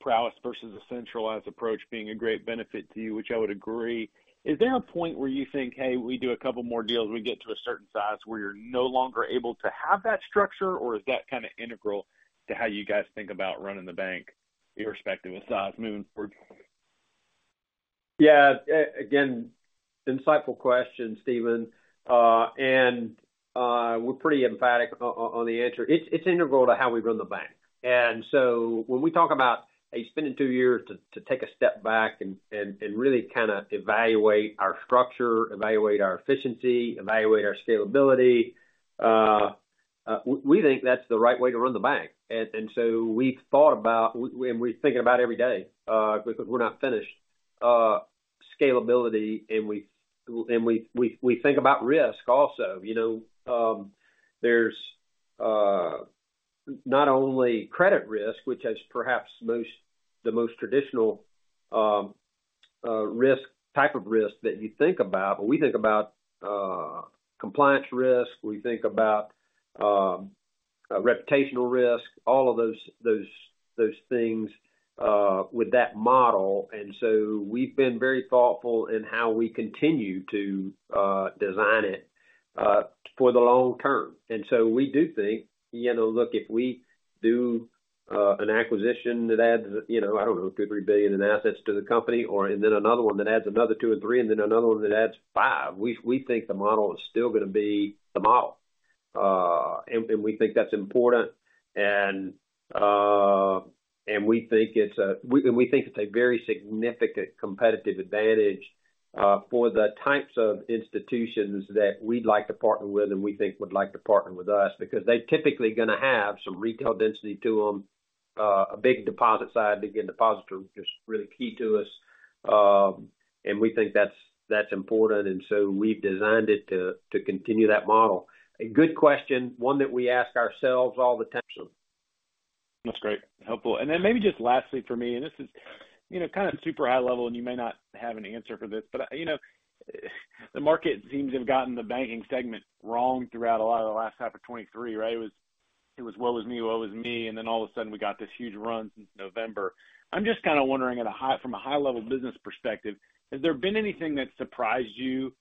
prowess versus a centralized approach being a great benefit to you, which I would agree. Is there a point where you think, "Hey, we do a couple more deals, we get to a certain size," where you're no longer able to have that structure? Or is that kind of integral to how you guys think about running the bank, irrespective of size, moving forward? Yeah, again, insightful question, Stephen. And we're pretty emphatic on the answer. It's integral to how we run the bank. And so when we talk about, hey, spending two years to take a step back and really kind of evaluate our structure, evaluate our efficiency, evaluate our scalability, we think that's the right way to run the bank. And so we've thought about—and we think about it every day, because we're not finished, scalability, and we think about risk also. You know, there's not only credit risk, which is perhaps the most traditional type of risk that you think about, but we think about compliance risk, we think about reputational risk, all of those things with that model. We've been very thoughtful in how we continue to design it for the long term. We do think, you know, look, if we do an acquisition that adds, you know, I don't know, $2-3 billion in assets to the company, or and then another one that adds another $2 and $3, and then another one that adds $5 billion, we think the model is still gonna be the model. And we think that's important, and we think it's a very significant competitive advantage for the types of institutions that we'd like to partner with and we think would like to partner with us. Because they're typically gonna have some retail density to them, a big deposit side. Again, deposit is just really key to us. And we think that's important, and so we've designed it to continue that model. A good question, one that we ask ourselves all the time, so. That's great. Helpful. And then maybe just lastly for me, and this is, you know, kind of super high level, and you may not have an answer for this, but, you know, the market seems to have gotten the banking segment wrong throughout a lot of the last half of 2023, right? It was, it was, "Woe is me, woe is me," and then all of a sudden, we got this huge run since November. I'm just kind of wondering at a high level from a high-level business perspective, has there been anything that surprised you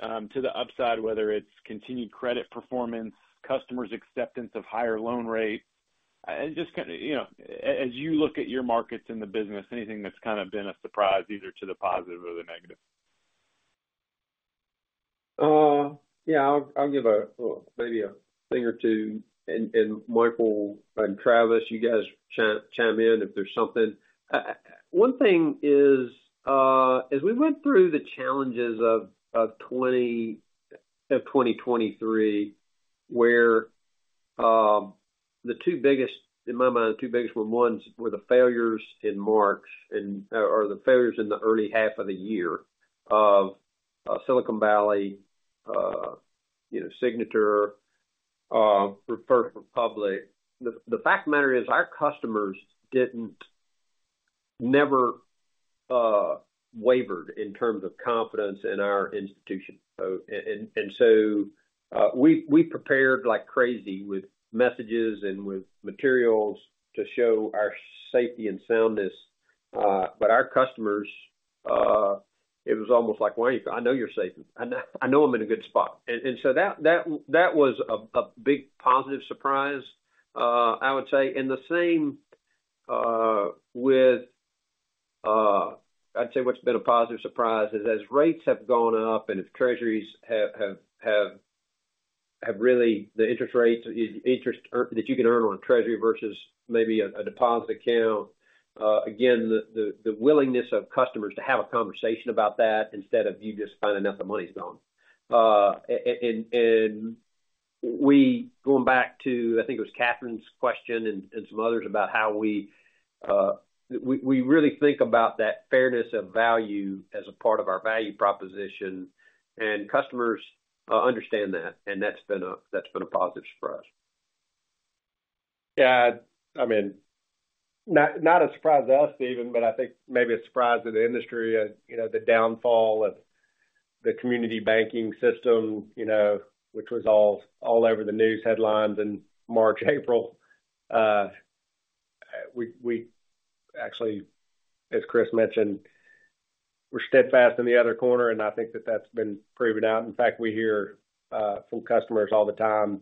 to the upside, whether it's continued credit performance, customers' acceptance of higher loan rates? Just kind of, you know, as you look at your markets in the business, anything that's kind of been a surprise, either to the positive or the negative? Yeah, I'll give a maybe a thing or two, and Michael and Travis, you guys chime in if there's something. One thing is, as we went through the challenges of 2023, where the two biggest, in my mind, the two biggest ones were the failures in March or the failures in the early half of the year of Silicon Valley, you know, Signature, First Republic. The fact of the matter is, our customers didn't never wavered in terms of confidence in our institution. So, and, and, and so, we prepared like crazy with messages and with materials to show our safety and soundness, but our customers, it was almost like, "Well, I know you're safe, and I know I'm in a good spot." And, and so that was a big positive surprise. I would say, and the same with... I'd say what's been a positive surprise is as rates have gone up and as treasuries have really—the interest rates, interest that you can earn on a treasury versus maybe a deposit account, again, the willingness of customers to have a conversation about that instead of you just finding out the money's gone. And we, going back to, I think it was Catherine's question and some others about how we really think about that fairness of value as a part of our value proposition, and customers understand that, and that's been a positive surprise. Yeah, I mean, not a surprise to us, Stephen, but I think maybe a surprise to the industry, you know, the downfall of the community banking system, you know, which was all over the news headlines in March, April. We actually, as Chris mentioned, were steadfast in the other corner, and I think that that's been proven out. In fact, we hear from customers all the time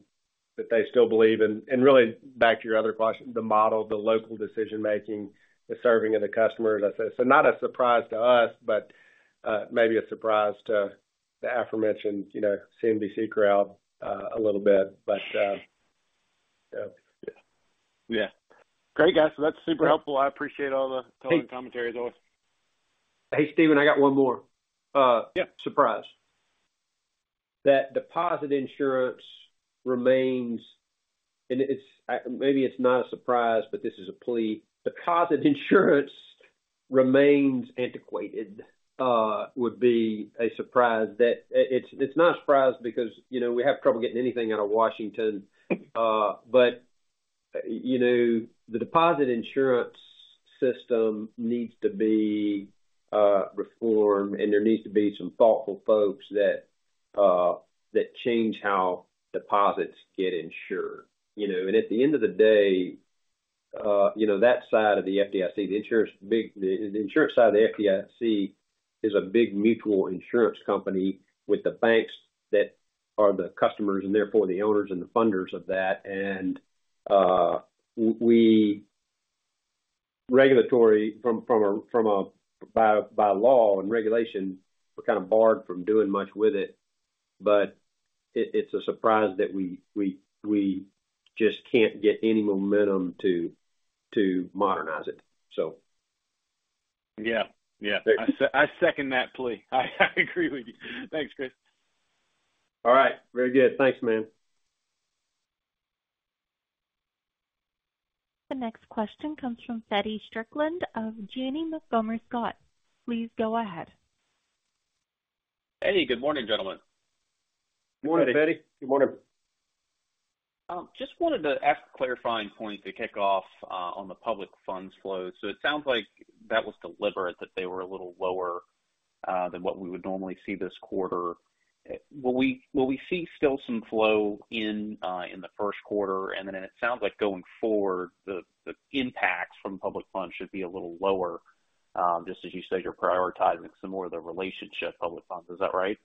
that they still believe in... And really, back to your other question, the model, the local decision-making, the serving of the customers, I say. So not a surprise to us, but maybe a surprise to the aforementioned, you know, CNBC crowd, a little bit. But yeah. Yeah. Great, guys. So that's super helpful. I appreciate all the telling commentaries on it. Hey, Stephen, I got one more. Uh, yeah. Surprise. That deposit insurance remains, and it's maybe it's not a surprise, but this is a plea. Deposit insurance remains antiquated would be a surprise that it's not a surprise because, you know, we have trouble getting anything out of Washington. You know, the deposit insurance system needs to be reformed, and there needs to be some thoughtful folks that change how deposits get insured. You know, and at the end of the day, you know, that side of the FDIC, the insurance side of the FDIC is a big mutual insurance company with the banks that are the customers and therefore the owners and the funders of that. From a regulatory, by law and regulation, we're kind of barred from doing much with it, but it's a surprise that we just can't get any momentum to modernize it, so. Yeah. Yeah. I second that plea. I agree with you. Thanks, Chris. All right. Very good. Thanks, man. The next question comes from Feddie Strickland of Janney Montgomery Scott. Please go ahead. Hey, good morning, gentlemen. Good morning, Feddie. Good morning. Just wanted to ask a clarifying point to kick off on the public funds flow. So it sounds like that was deliberate, that they were a little lower than what we would normally see this quarter. Will we see still some flow in the Q1? And then it sounds like going forward, the impacts from public funds should be a little lower, just as you said, you're prioritizing some more of the relationship public funds. Is that right?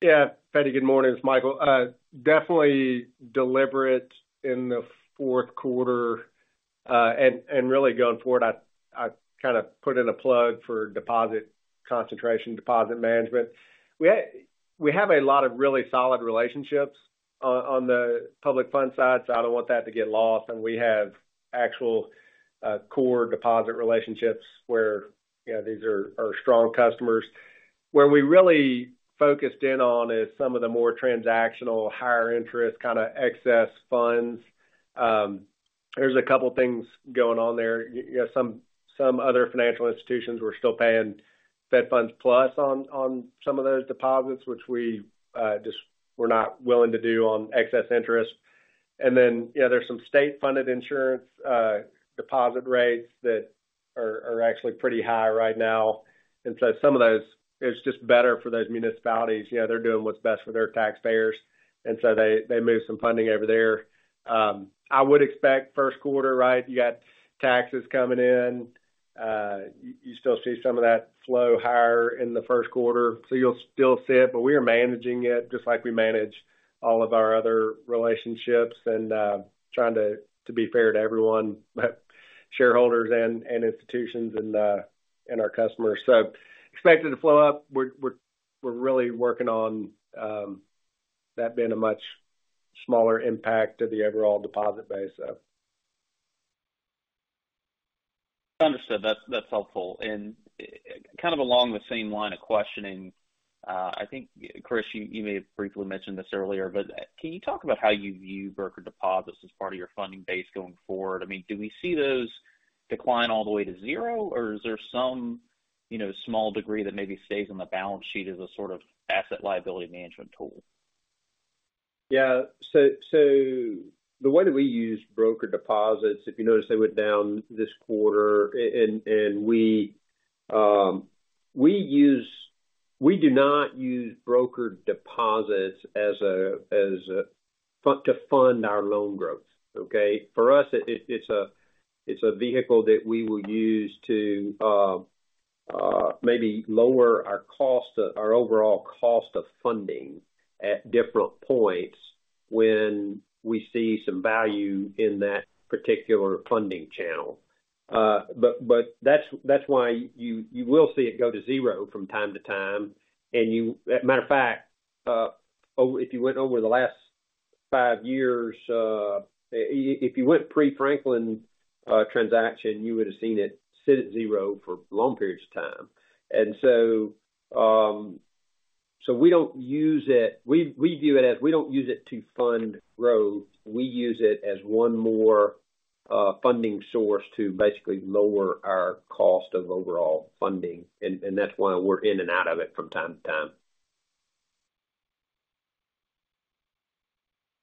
Yeah. Feddie, good morning. It's Michael. Definitely deliberate in the Q4, and really going forward, I kind of put in a plug for deposit concentration, deposit management. We have a lot of really solid relationships on the public funds side, so I don't want that to get lost. And we have actual core deposit relationships where, you know, these are strong customers. Where we really focused in on is some of the more transactional, higher interest, kind of excess funds. There's a couple things going on there. You know, some other financial institutions were still paying Fed Funds plus on some of those deposits, which we just were not willing to do on excess interest. And then, you know, there's some state-funded insurance deposit rates that are actually pretty high right now. Some of those, it's just better for those municipalities. You know, they're doing what's best for their taxpayers, and so they move some funding over there. I would expect Q1, right, you got taxes coming in, you still see some of that flow higher in the Q1, so you'll still see it, but we are managing it just like we manage all of our other relationships and trying to be fair to everyone, shareholders and institutions and our customers. So expected to flow up. We're really working on that being a much smaller impact to the overall deposit base, so. Understood. That's, that's helpful. And kind of along the same line of questioning, I think, Chris, you, you may have briefly mentioned this earlier, but, can you talk about how you view broker deposits as part of your funding base going forward? I mean, do we see those decline all the way to zero, or is there some, you know, small degree that maybe stays on the balance sheet as a sort of asset liability management tool? Yeah. So, the way that we use broker deposits, if you notice, they went down this quarter. And we do not use broker deposits as a to fund our loan growth, okay? For us, it's a vehicle that we will use to maybe lower our cost, our overall cost of funding at different points when we see some value in that particular funding channel. But that's why you will see it go to zero from time to time. And you... Matter of fact, if you went over the last five years, if you went pre-Franklin transaction, you would have seen it sit at zero for long periods of time. So, we view it as we don't use it to fund growth. We use it as one more funding source to basically lower our cost of overall funding, and that's why we're in and out of it from time to time.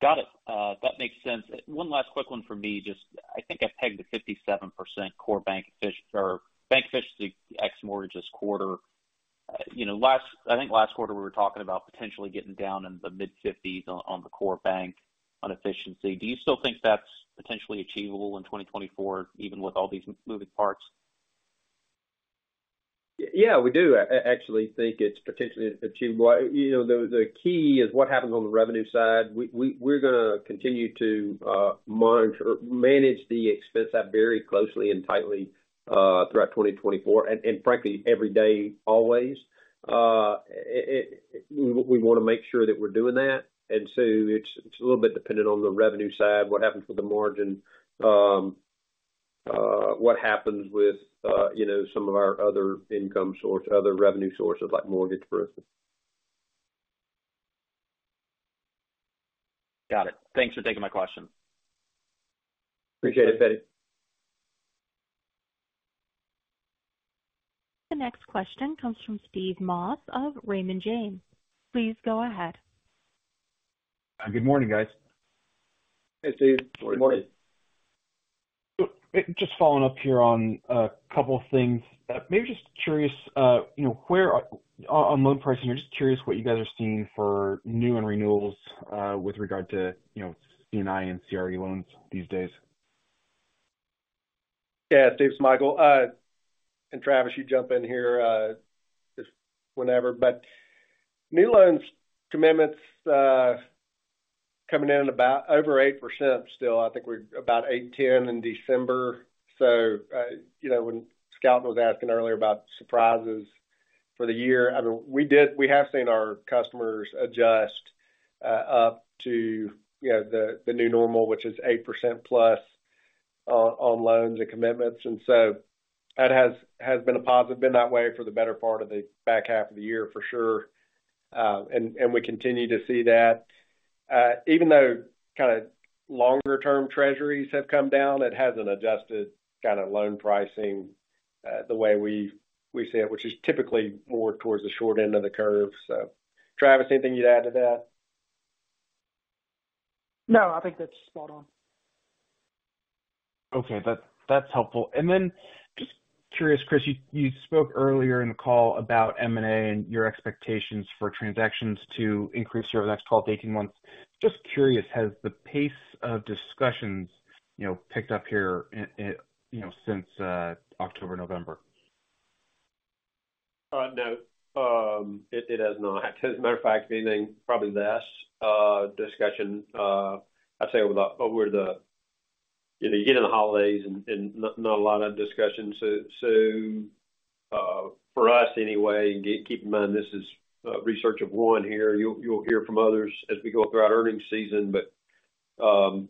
Got it. That makes sense. One last quick one for me. Just I think I pegged the 57% core bank efficiency ex mortgages quarter. You know, last quarter, I think last quarter, we were talking about potentially getting down in the mid-50s on the core bank efficiency. Do you still think that's potentially achievable in 2024, even with all these moving parts? Yeah, we do actually think it's potentially achievable. You know, the key is what happens on the revenue side. We're gonna continue to monitor and manage the expense side very closely and tightly throughout 2024, and frankly, every day, always. We want to make sure that we're doing that, and so it's a little bit dependent on the revenue side, what happens with the margin, what happens with, you know, some of our other income source, other revenue sources, like mortgage, for instance. Got it. Thanks for taking my question. Appreciate it, Feddie. The next question comes from Steve Moss of Raymond James. Please go ahead. Good morning, guys. Hey, Steve. Good morning. So, just following up here on a couple of things. Maybe just curious, you know, where on loan pricing, I'm just curious what you guys are seeing for new and renewals, with regard to, you know, C&I and CRE loans these days. Yeah, Steve, it's Michael. And, Travis, you jump in here, just whenever, but new loans commitments, coming in at about over 8% still. I think we're about 8-10 in December. So, you know, when Scout was asking earlier about surprises for the year, I mean, we did-- we have seen our customers adjust, up to, you know, the, the new normal, which is 8%+ on, on loans and commitments. And so that has, has been a positive, been that way for the better part of the back half of the year, for sure. And, and we continue to see that. Even though kinda longer-term treasuries have come down, it hasn't adjusted kind of loan pricing, the way we, we see it, which is typically more towards the short end of the curve. So, Travis, anything you'd add to that? No, I think that's spot on. Okay. That's, that's helpful. And then just curious, Chris, you, you spoke earlier in the call about M&A and your expectations for transactions to increase over the next 12-18 months. Just curious, has the pace of discussions, you know, picked up here in, you know, since October, November? No, it has not. As a matter of fact, if anything, probably less discussion, I'd say, over the, over the... You know, you get in the holidays and not a lot of discussions. So, for us, anyway, keep in mind, this is research of one here. You'll hear from others as we go throughout earnings season, but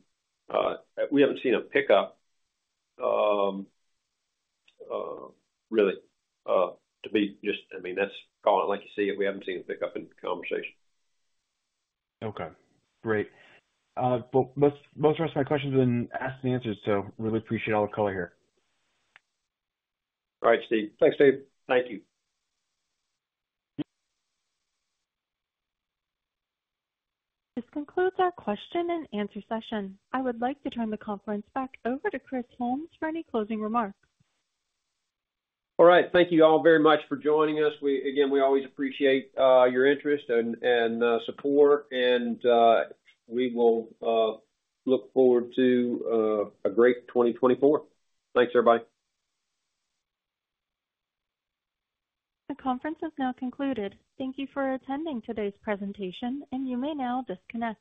we haven't seen a pickup, really, to be just-- I mean, that's call it like you see it. We haven't seen a pickup in conversation. Okay. Great. Well, most of the rest of my questions have been asked and answered, so I really appreciate all the color here. All right, Steve. Thanks, Steve. Thank you. This concludes our question and answer session. I would like to turn the conference back over to Chris Holmes for any closing remarks. All right. Thank you all very much for joining us. We again, we always appreciate your interest and, and, support, and we will look forward to a great 2024. Thanks, everybody. The conference is now concluded. Thank you for attending today's presentation, and you may now disconnect.